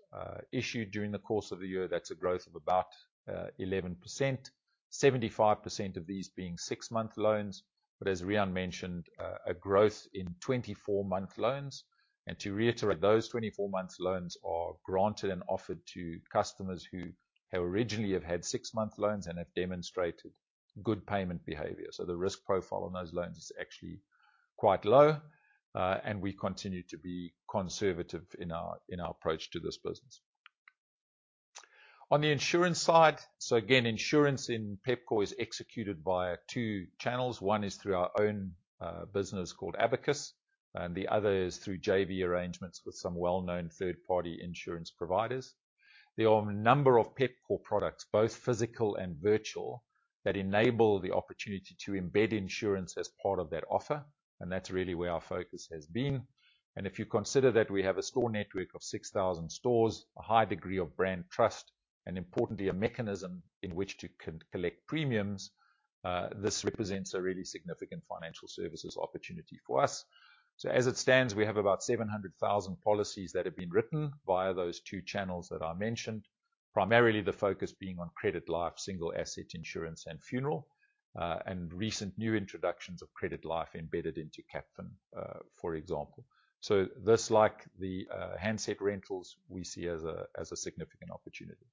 [SPEAKER 3] issued during the course of the year. That's a growth of about 11%, 75% of these being 6-month loans, but as Riaan mentioned, a growth in 24-month loans. And to reiterate, those 24-month loans are granted and offered to customers who have originally had six month loans and have demonstrated good payment behavior. The risk profile on those loans is actually quite low, and we continue to be conservative in our approach to this business. On the insurance side, so again, insurance in Pepkor is executed via two channels. One is through our own business called Abacus, and the other is through JV arrangements with some well-known third-party insurance providers. There are a number of Pepkor products, both physical and virtual, that enable the opportunity to embed insurance as part of that offer, and that's really where our focus has been. If you consider that we have a store network of 6,000 stores, a high degree of brand trust, and importantly, a mechanism in which to collect premiums, this represents a really significant financial services opportunity for us. So as it stands, we have about 700,000 policies that have been written via those two channels that I mentioned, primarily the focus being on credit life, single asset insurance, and funeral, and recent new introductions of credit life embedded into Capfin, for example. So this, like the, handset rentals, we see as a, as a significant opportunity.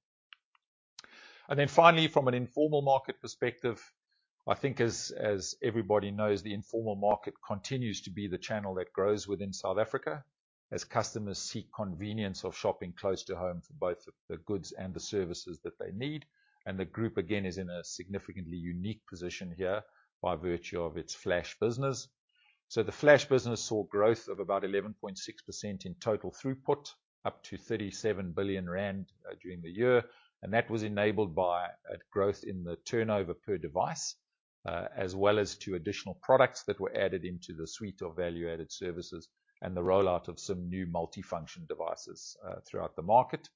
[SPEAKER 3] And then finally, from an informal market perspective, I think as, as everybody knows, the informal market continues to be the channel that grows within South Africa as customers seek convenience of shopping close to home for both the, the goods and the services that they need. And the group, again, is in a significantly unique position here by virtue of its Flash business. The Flash business saw growth of about 11.6% in total throughput, up to 37 billion rand, during the year, and that was enabled by a growth in the turnover per device, as well as two additional products that were added into the suite of value-added services and the rollout of some new multifunction devices, throughout the market.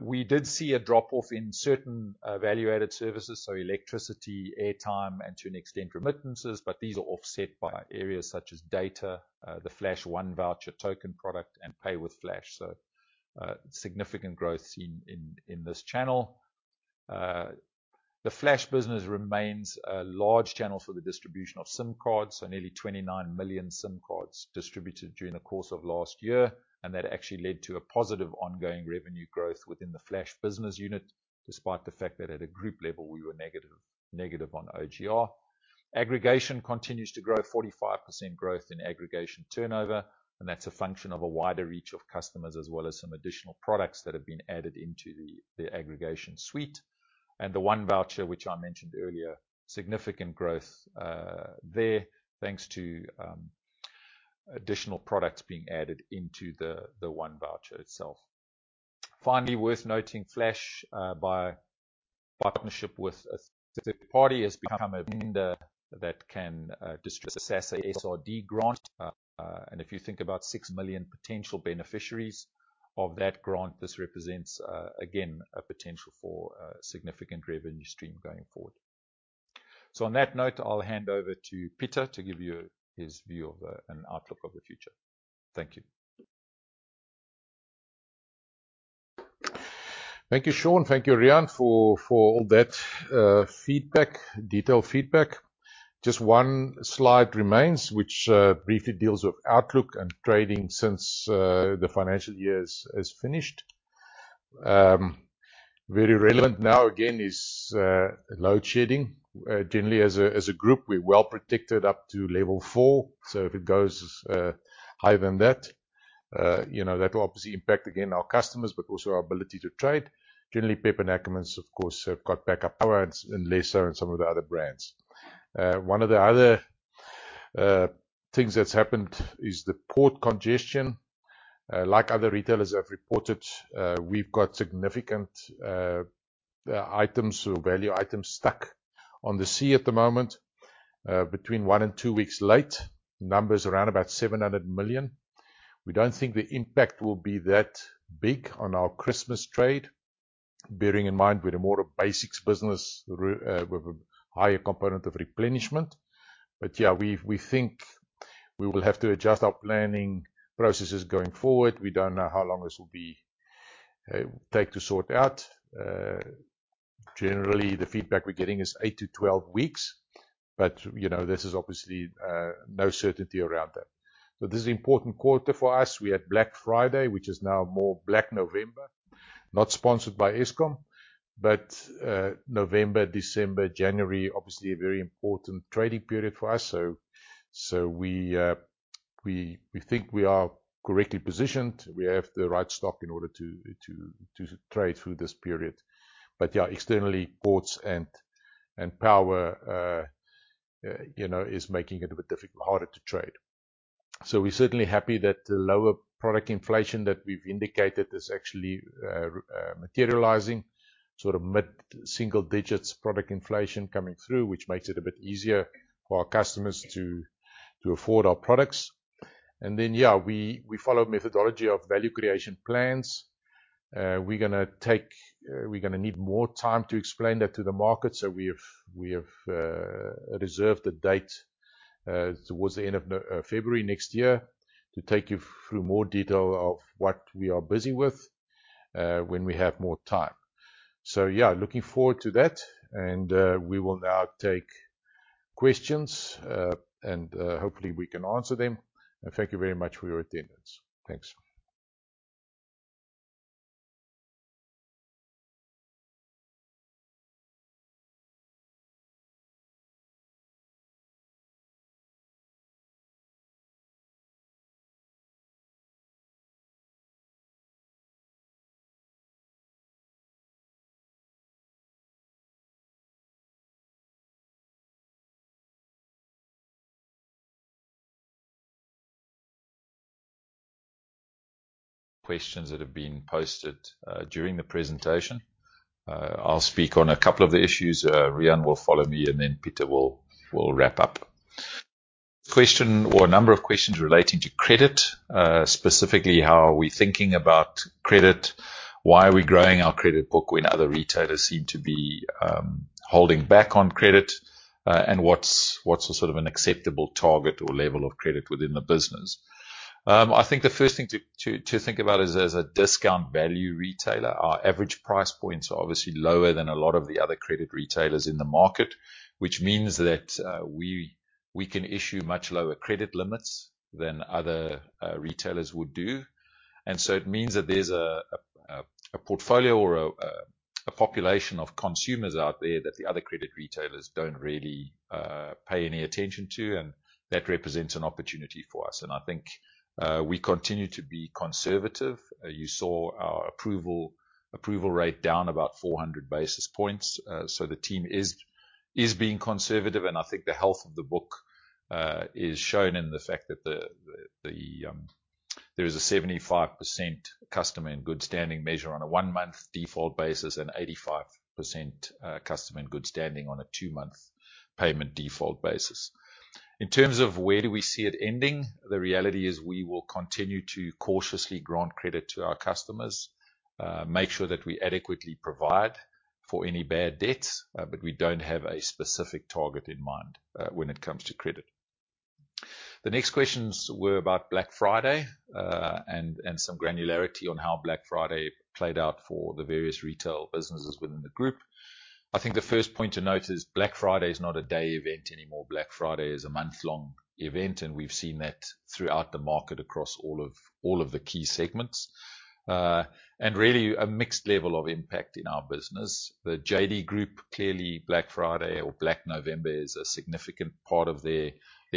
[SPEAKER 3] We did see a drop-off in certain value-added services, so electricity, airtime, and to an extent, remittances, but these are offset by areas such as data, the Flash 1Voucher token product, and Pay with Flash. So, significant growth in this channel. The Flash business remains a large channel for the distribution of SIM cards. So nearly 29 million SIM cards distributed during the course of last year, and that actually led to a positive ongoing revenue growth within the Flash business unit, despite the fact that at a group level, we were negative, negative on OGR. Aggregation continues to grow, 45% growth in aggregation turnover, and that's a function of a wider reach of customers, as well as some additional products that have been added into the aggregation suite. The 1Voucher, which I mentioned earlier, significant growth there, thanks to additional products being added into the 1Voucher itself. Finally, worth noting, Flash, by partnership with a specific party, has become a lender that can distribute SASSA SRD grant. If you think about 6 million potential beneficiaries of that grant, this represents, again, a potential for a significant revenue stream going forward. So on that note, I'll hand over to Pieter to give you his view of, and outlook of the future. Thank you.
[SPEAKER 1] Thank you, Sean. Thank you, Riaan, for all that detailed feedback. Just one slide remains, which briefly deals with outlook and trading since the financial year is finished. Very relevant now, again, is load shedding. Generally as a group, we're well protected up to level four, so if it goes higher than that, you know, that will obviously impact, again, our customers, but also our ability to trade. Generally, PEP and Ackermans, of course, have got backup power and lesser and some of the other brands. One of the other things that's happened is the port congestion. Like other retailers have reported, we've got significant items or value items stuck on the sea at the moment, between one and two weeks late. Numbers around about 700 million. We don't think the impact will be that big on our Christmas trade, bearing in mind we're more a basics business with a higher component of replenishment. But yeah, we, we think we will have to adjust our planning processes going forward. We don't know how long this will be take to sort out. Generally, the feedback we're getting is eight to 12 weeks, but, you know, this is obviously, no certainty around that. So this is an important quarter for us. We had Black Friday, which is now more Black November, not sponsored by Eskom, but, November, December, January, obviously a very important trading period for us. So, so we, we, we think we are correctly positioned. We have the right stock in order to, to, to trade through this period. But yeah, externally, ports and power, you know, is making it a bit difficult, harder to trade. So we're certainly happy that the lower product inflation that we've indicated is actually materializing, sort of mid-single digits product inflation coming through, which makes it a bit easier for our customers to afford our products. And then, yeah, we follow methodology of value creation plans. We're gonna need more time to explain that to the market, so we have reserved a date towards the end of February next year, to take you through more detail of what we are busy with, when we have more time. So yeah, looking forward to that, and we will now take questions, and hopefully we can answer them. Thank you very much for your attendance. Thanks.
[SPEAKER 3] Questions that have been posted during the presentation. I'll speak on a couple of the issues, Riaan will follow me, and then Pieter will wrap up. Question or a number of questions relating to credit, specifically, how are we thinking about credit? Why are we growing our credit book when other retailers seem to be holding back on credit? And what's a sort of an acceptable target or level of credit within the business? I think the first thing to think about is, as a discount value retailer, our average price points are obviously lower than a lot of the other credit retailers in the market, which means that we can issue much lower credit limits than other retailers would do. So it means that there's a portfolio or a population of consumers out there that the other credit retailers don't really pay any attention to, and that represents an opportunity for us. I think we continue to be conservative. You saw our approval rate down about 400 basis points. So the team is being conservative, and I think the health of the book is shown in the fact that there is a 75% customer in good standing measure on a one-month default basis and 85% customer in good standing on a two-month payment default basis. In terms of where do we see it ending, the reality is we will continue to cautiously grant credit to our customers, make sure that we adequately provide for any bad debts, but we don't have a specific target in mind, when it comes to credit. The next questions were about Black Friday, and some granularity on how Black Friday played out for the various retail businesses within the group. I think the first point to note is Black Friday is not a day event anymore. Black Friday is a month-long event, and we've seen that throughout the market, across all of the key segments, and really a mixed level of impact in our business. The JD Group, clearly, Black Friday or Black November is a significant part of their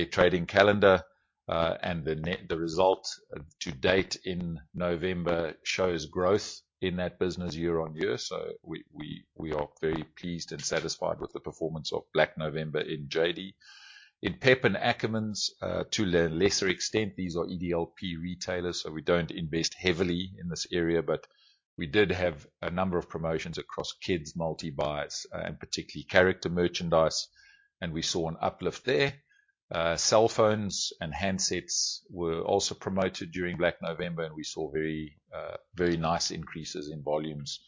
[SPEAKER 3] trading calendar, and the result to date in November shows growth in that business year-on-year. So we are very pleased and satisfied with the performance of Black November in JD. In PEP and Ackermans, to a lesser extent, these are EDLP retailers, so we don't invest heavily in this area, but we did have a number of promotions across kids, multi-buys, and particularly character merchandise, and we saw an uplift there. cellphones and handsets were also promoted during Black November, and we saw very, very nice increases in volumes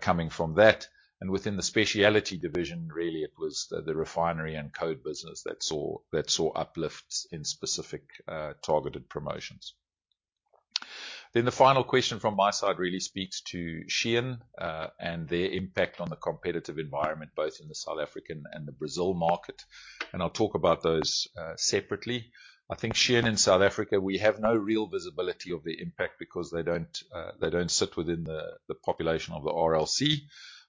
[SPEAKER 3] coming from that. And within the Speciality division, really, it was the Refinery and Code business that saw uplifts in specific targeted promotions. The final question from my side really speaks to Shein and their impact on the competitive environment, both in the South African and the Brazil market, and I'll talk about those separately. I think Shein in South Africa, we have no real visibility of the impact because they don't, they don't sit within the population of the RLC.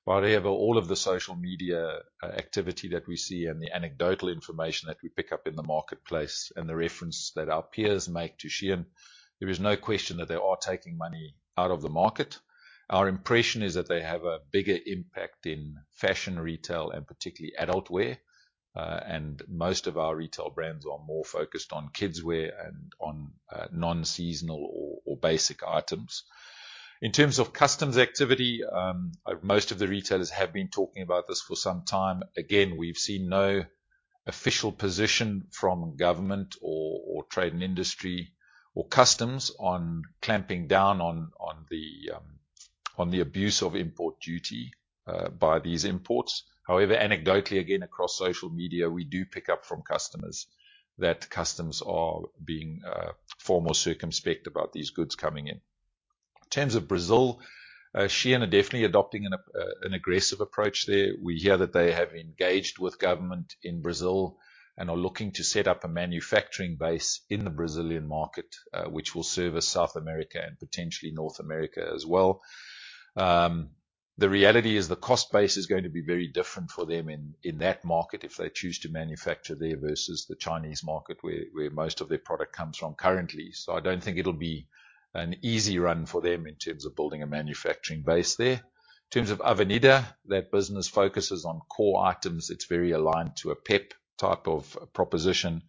[SPEAKER 3] But however, all of the social media activity that we see and the anecdotal information that we pick up in the marketplace, and the reference that our peers make to Shein, there is no question that they are taking money out of the market. Our impression is that they have a bigger impact in fashion retail and particularly adult wear.... and most of our retail brands are more focused on kidswear and on non-seasonal or basic items. In terms of customs activity, most of the retailers have been talking about this for some time. Again, we've seen no official position from government or trade and industry, or customs on clamping down on the abuse of import duty by these imports. However, anecdotally, again, across social media, we do pick up from customers that customs are being formal circumspect about these goods coming in. In terms of Brazil, Shein are definitely adopting an aggressive approach there. We hear that they have engaged with government in Brazil and are looking to set up a manufacturing base in the Brazilian market, which will service South America and potentially North America as well. The reality is the cost base is going to be very different for them in that market if they choose to manufacture there versus the Chinese market, where most of their product comes from currently. So I don't think it'll be an easy run for them in terms of building a manufacturing base there. In terms of Avenida, their business focuses on core items. It's very aligned to a PEP type of proposition,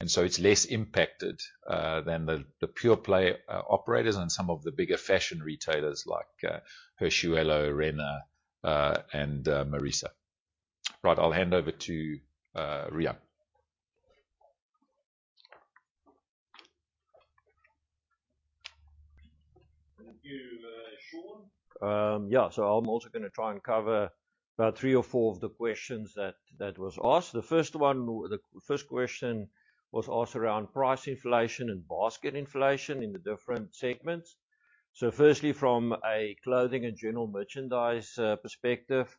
[SPEAKER 3] and so it's less impacted than the pure play operators and some of the bigger fashion retailers like Hering, Renner, and Marisa. Right, I'll hand over to Riaan.
[SPEAKER 2] Thank you, Sean. Yeah, so I'm also gonna try and cover about three or four of the questions that was asked. The first question was asked around price inflation and basket inflation in the different segments. So firstly, from a clothing and general merchandise perspective,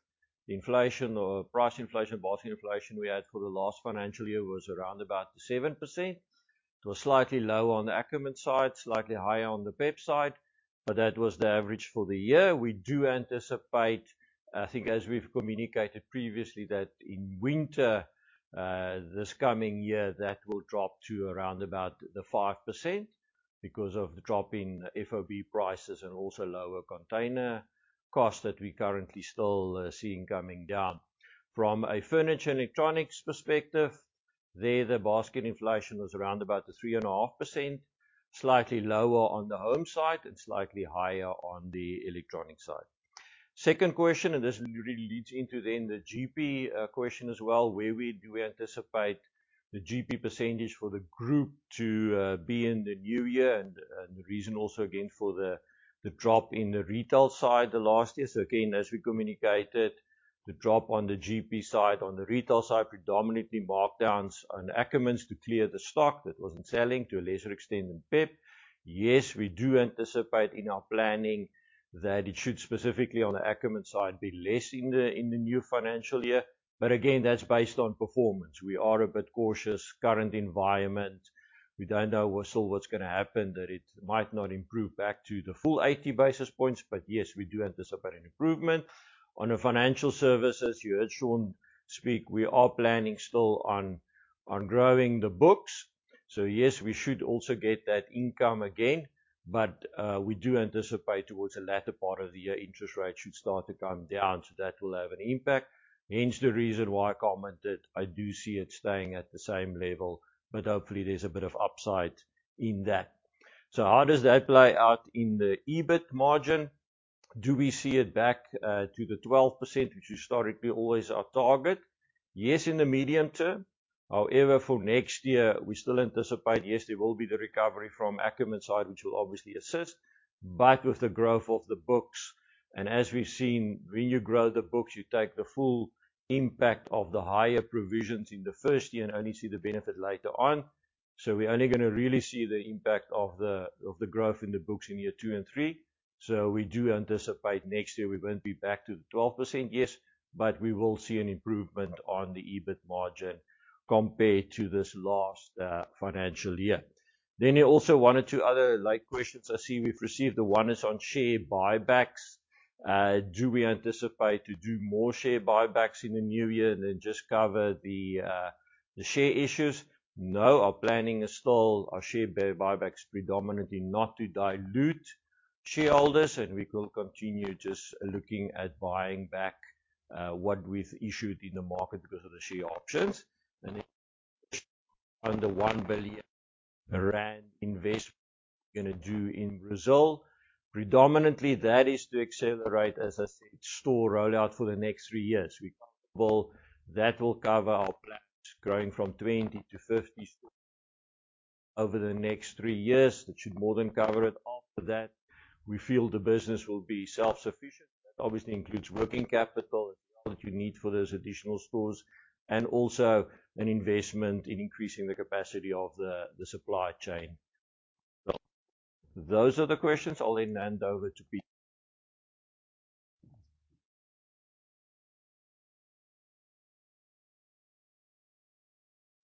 [SPEAKER 2] the inflation or price inflation, basket inflation we had for the last financial year was around about 7%. It was slightly lower on the Ackermans side, slightly higher on the PEP side, but that was the average for the year. We do anticipate, I think, as we've communicated previously, that in winter this coming year, that will drop to around about the 5% because of the drop in FOB prices and also lower container costs that we currently still are seeing coming down. From a furniture and electronics perspective, there, the basket inflation was around about 3.5%, slightly lower on the home side and slightly higher on the electronic side. Second question, and this really leads into then the GP question as well, where we do anticipate the GP percentage for the group to be in the new year, and, and the reason also, again, for the drop in the retail side the last year. So again, as we communicated, the drop on the GP side, on the retail side, predominantly markdowns on Ackermans to clear the stock that wasn't selling, to a lesser extent in PEP. Yes, we do anticipate in our planning that it should, specifically on the Ackermans side, be less in the new financial year, but again, that's based on performance. We are a bit cautious, current environment. We don't know what's gonna happen, that it might not improve back to the full 80 basis points, but yes, we do anticipate an improvement. On the financial services, you heard Sean speak, we are planning still on growing the books, so yes, we should also get that income again, but we do anticipate towards the latter part of the year, interest rates should start to come down, so that will have an impact. Hence, the reason why I commented, I do see it staying at the same level, but hopefully there's a bit of upside in that. So how does that play out in the EBIT margin? Do we see it back to the 12%, which is historically always our target? Yes, in the medium term. However, for next year, we still anticipate, yes, there will be the recovery from Ackermans side, which will obviously assist, but with the growth of the books, and as we've seen, when you grow the books, you take the full impact of the higher provisions in the first year and only see the benefit later on. So we're only gonna really see the impact of the, of the growth in the books in year two and three. So we do anticipate next year we won't be back to the 12%, yes, but we will see an improvement on the EBIT margin compared to this last financial year. Then there are also one or two other like questions I see we've received. The one is on share buybacks. Do we anticipate to do more share buybacks in the new year than just cover the share issues? No, our planning is still our share buybacks predominantly not to dilute shareholders, and we will continue just looking at buying back what we've issued in the market because of the share options. And under 1 billion rand investment we're gonna do in Brazil, predominantly, that is to accelerate, as I said, store rollout for the next three years. Well, that will cover our plans, growing from 20 to 50 stores over the next three years. That should more than cover it. After that, we feel the business will be self-sufficient. That obviously includes working capital and all that you need for those additional stores, and also an investment in increasing the capacity of the supply chain. Well, those are the questions. I'll then hand over to Pete.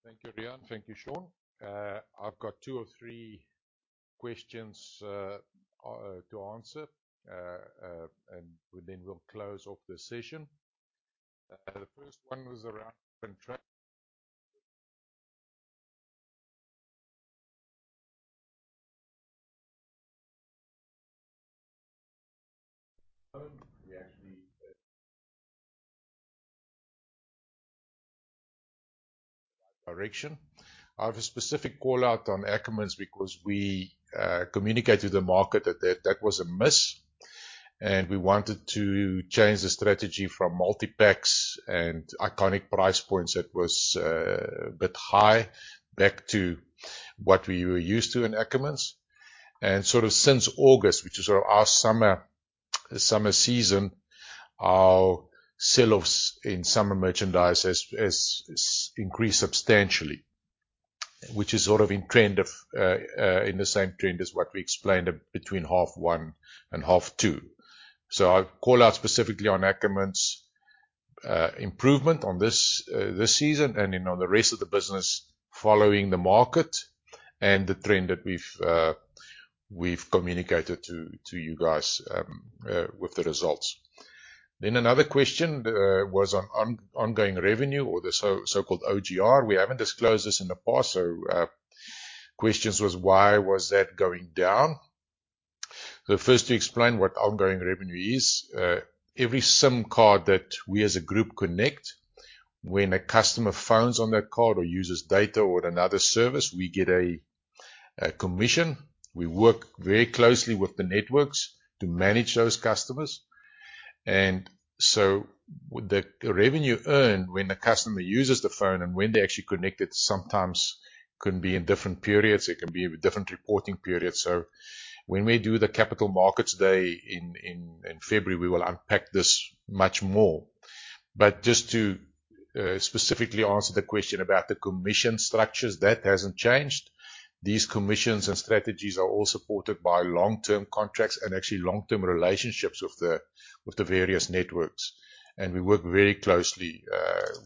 [SPEAKER 1] Thank you, Riaan. Thank you, Sean. I've got two or three questions to answer, and we then will close off the session. The first one was around contract-... We actually direction. I have a specific call out on Ackermans because we communicated to the market that that was a miss, and we wanted to change the strategy from multipacks and iconic price points that was a bit high back to what we were used to in Ackermans. And sort of since August, which is sort of our summer season, our sell-offs in summer merchandise has increased substantially, which is sort of in the same trend as what we explained between half one and half two. So I call out specifically on Ackermans, improvement on this season and, you know, the rest of the business following the market and the trend that we've communicated to you guys with the results. Then another question was on ongoing revenue or the so-called OGR. We haven't disclosed this in the past, so questions was, why was that going down? So first, to explain what ongoing revenue is, every SIM card that we as a group connect, when a customer phones on that card or uses data or another service, we get a commission. We work very closely with the networks to manage those customers. And so the revenue earned when the customer uses the phone and when they're actually connected, sometimes can be in different periods, it can be different reporting periods. So when we do the capital markets day in February, we will unpack this much more. But just to specifically answer the question about the commission structures, that hasn't changed. These commissions and strategies are all supported by long-term contracts and actually long-term relationships with the various networks, and we work very closely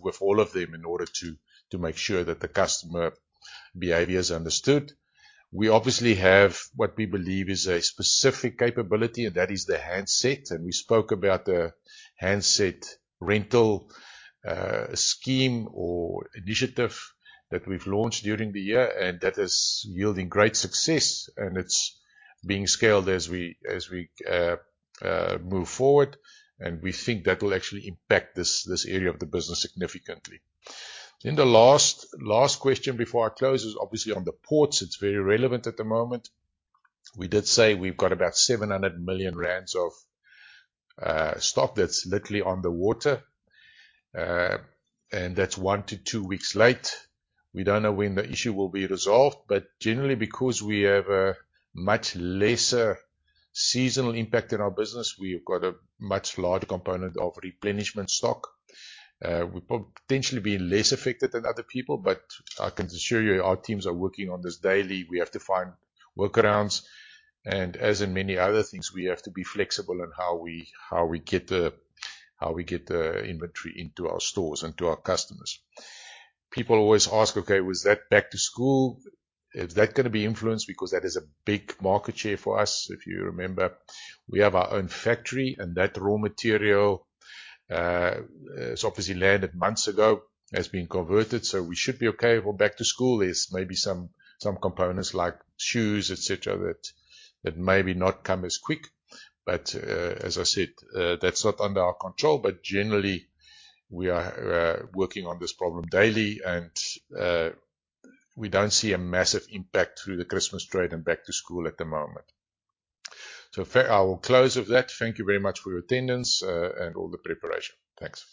[SPEAKER 1] with all of them in order to make sure that the customer behavior is understood. We obviously have what we believe is a specific capability, and that is the handset, and we spoke about the handset rental scheme or initiative that we've launched during the year, and that is yielding great success, and it's being scaled as we move forward, and we think that will actually impact this area of the business significantly. Then the last, last question before I close is obviously on the ports. It's very relevant at the moment. We did say we've got about 700 million rand of stock that's literally on the water, and that's one to two weeks late. We don't know when the issue will be resolved, but generally, because we have a much lesser seasonal impact in our business, we've got a much larger component of replenishment stock. We're potentially being less affected than other people, but I can assure you, our teams are working on this daily. We have to find workarounds, and as in many other things, we have to be flexible in how we get the inventory into our stores and to our customers. People always ask, "Okay, was that back to school? Is that gonna be influenced?" Because that is a big market share for us. If you remember, we have our own factory, and that raw material has obviously landed months ago, has been converted, so we should be okay. For back to school, there's maybe some components like shoes, et cetera, that maybe not come as quick, but, as I said, that's not under our control. But generally, we are working on this problem daily, and we don't see a massive impact through the Christmas trade and back to school at the moment. So far, I will close with that. Thank you very much for your attendance, and all the preparation. Thanks.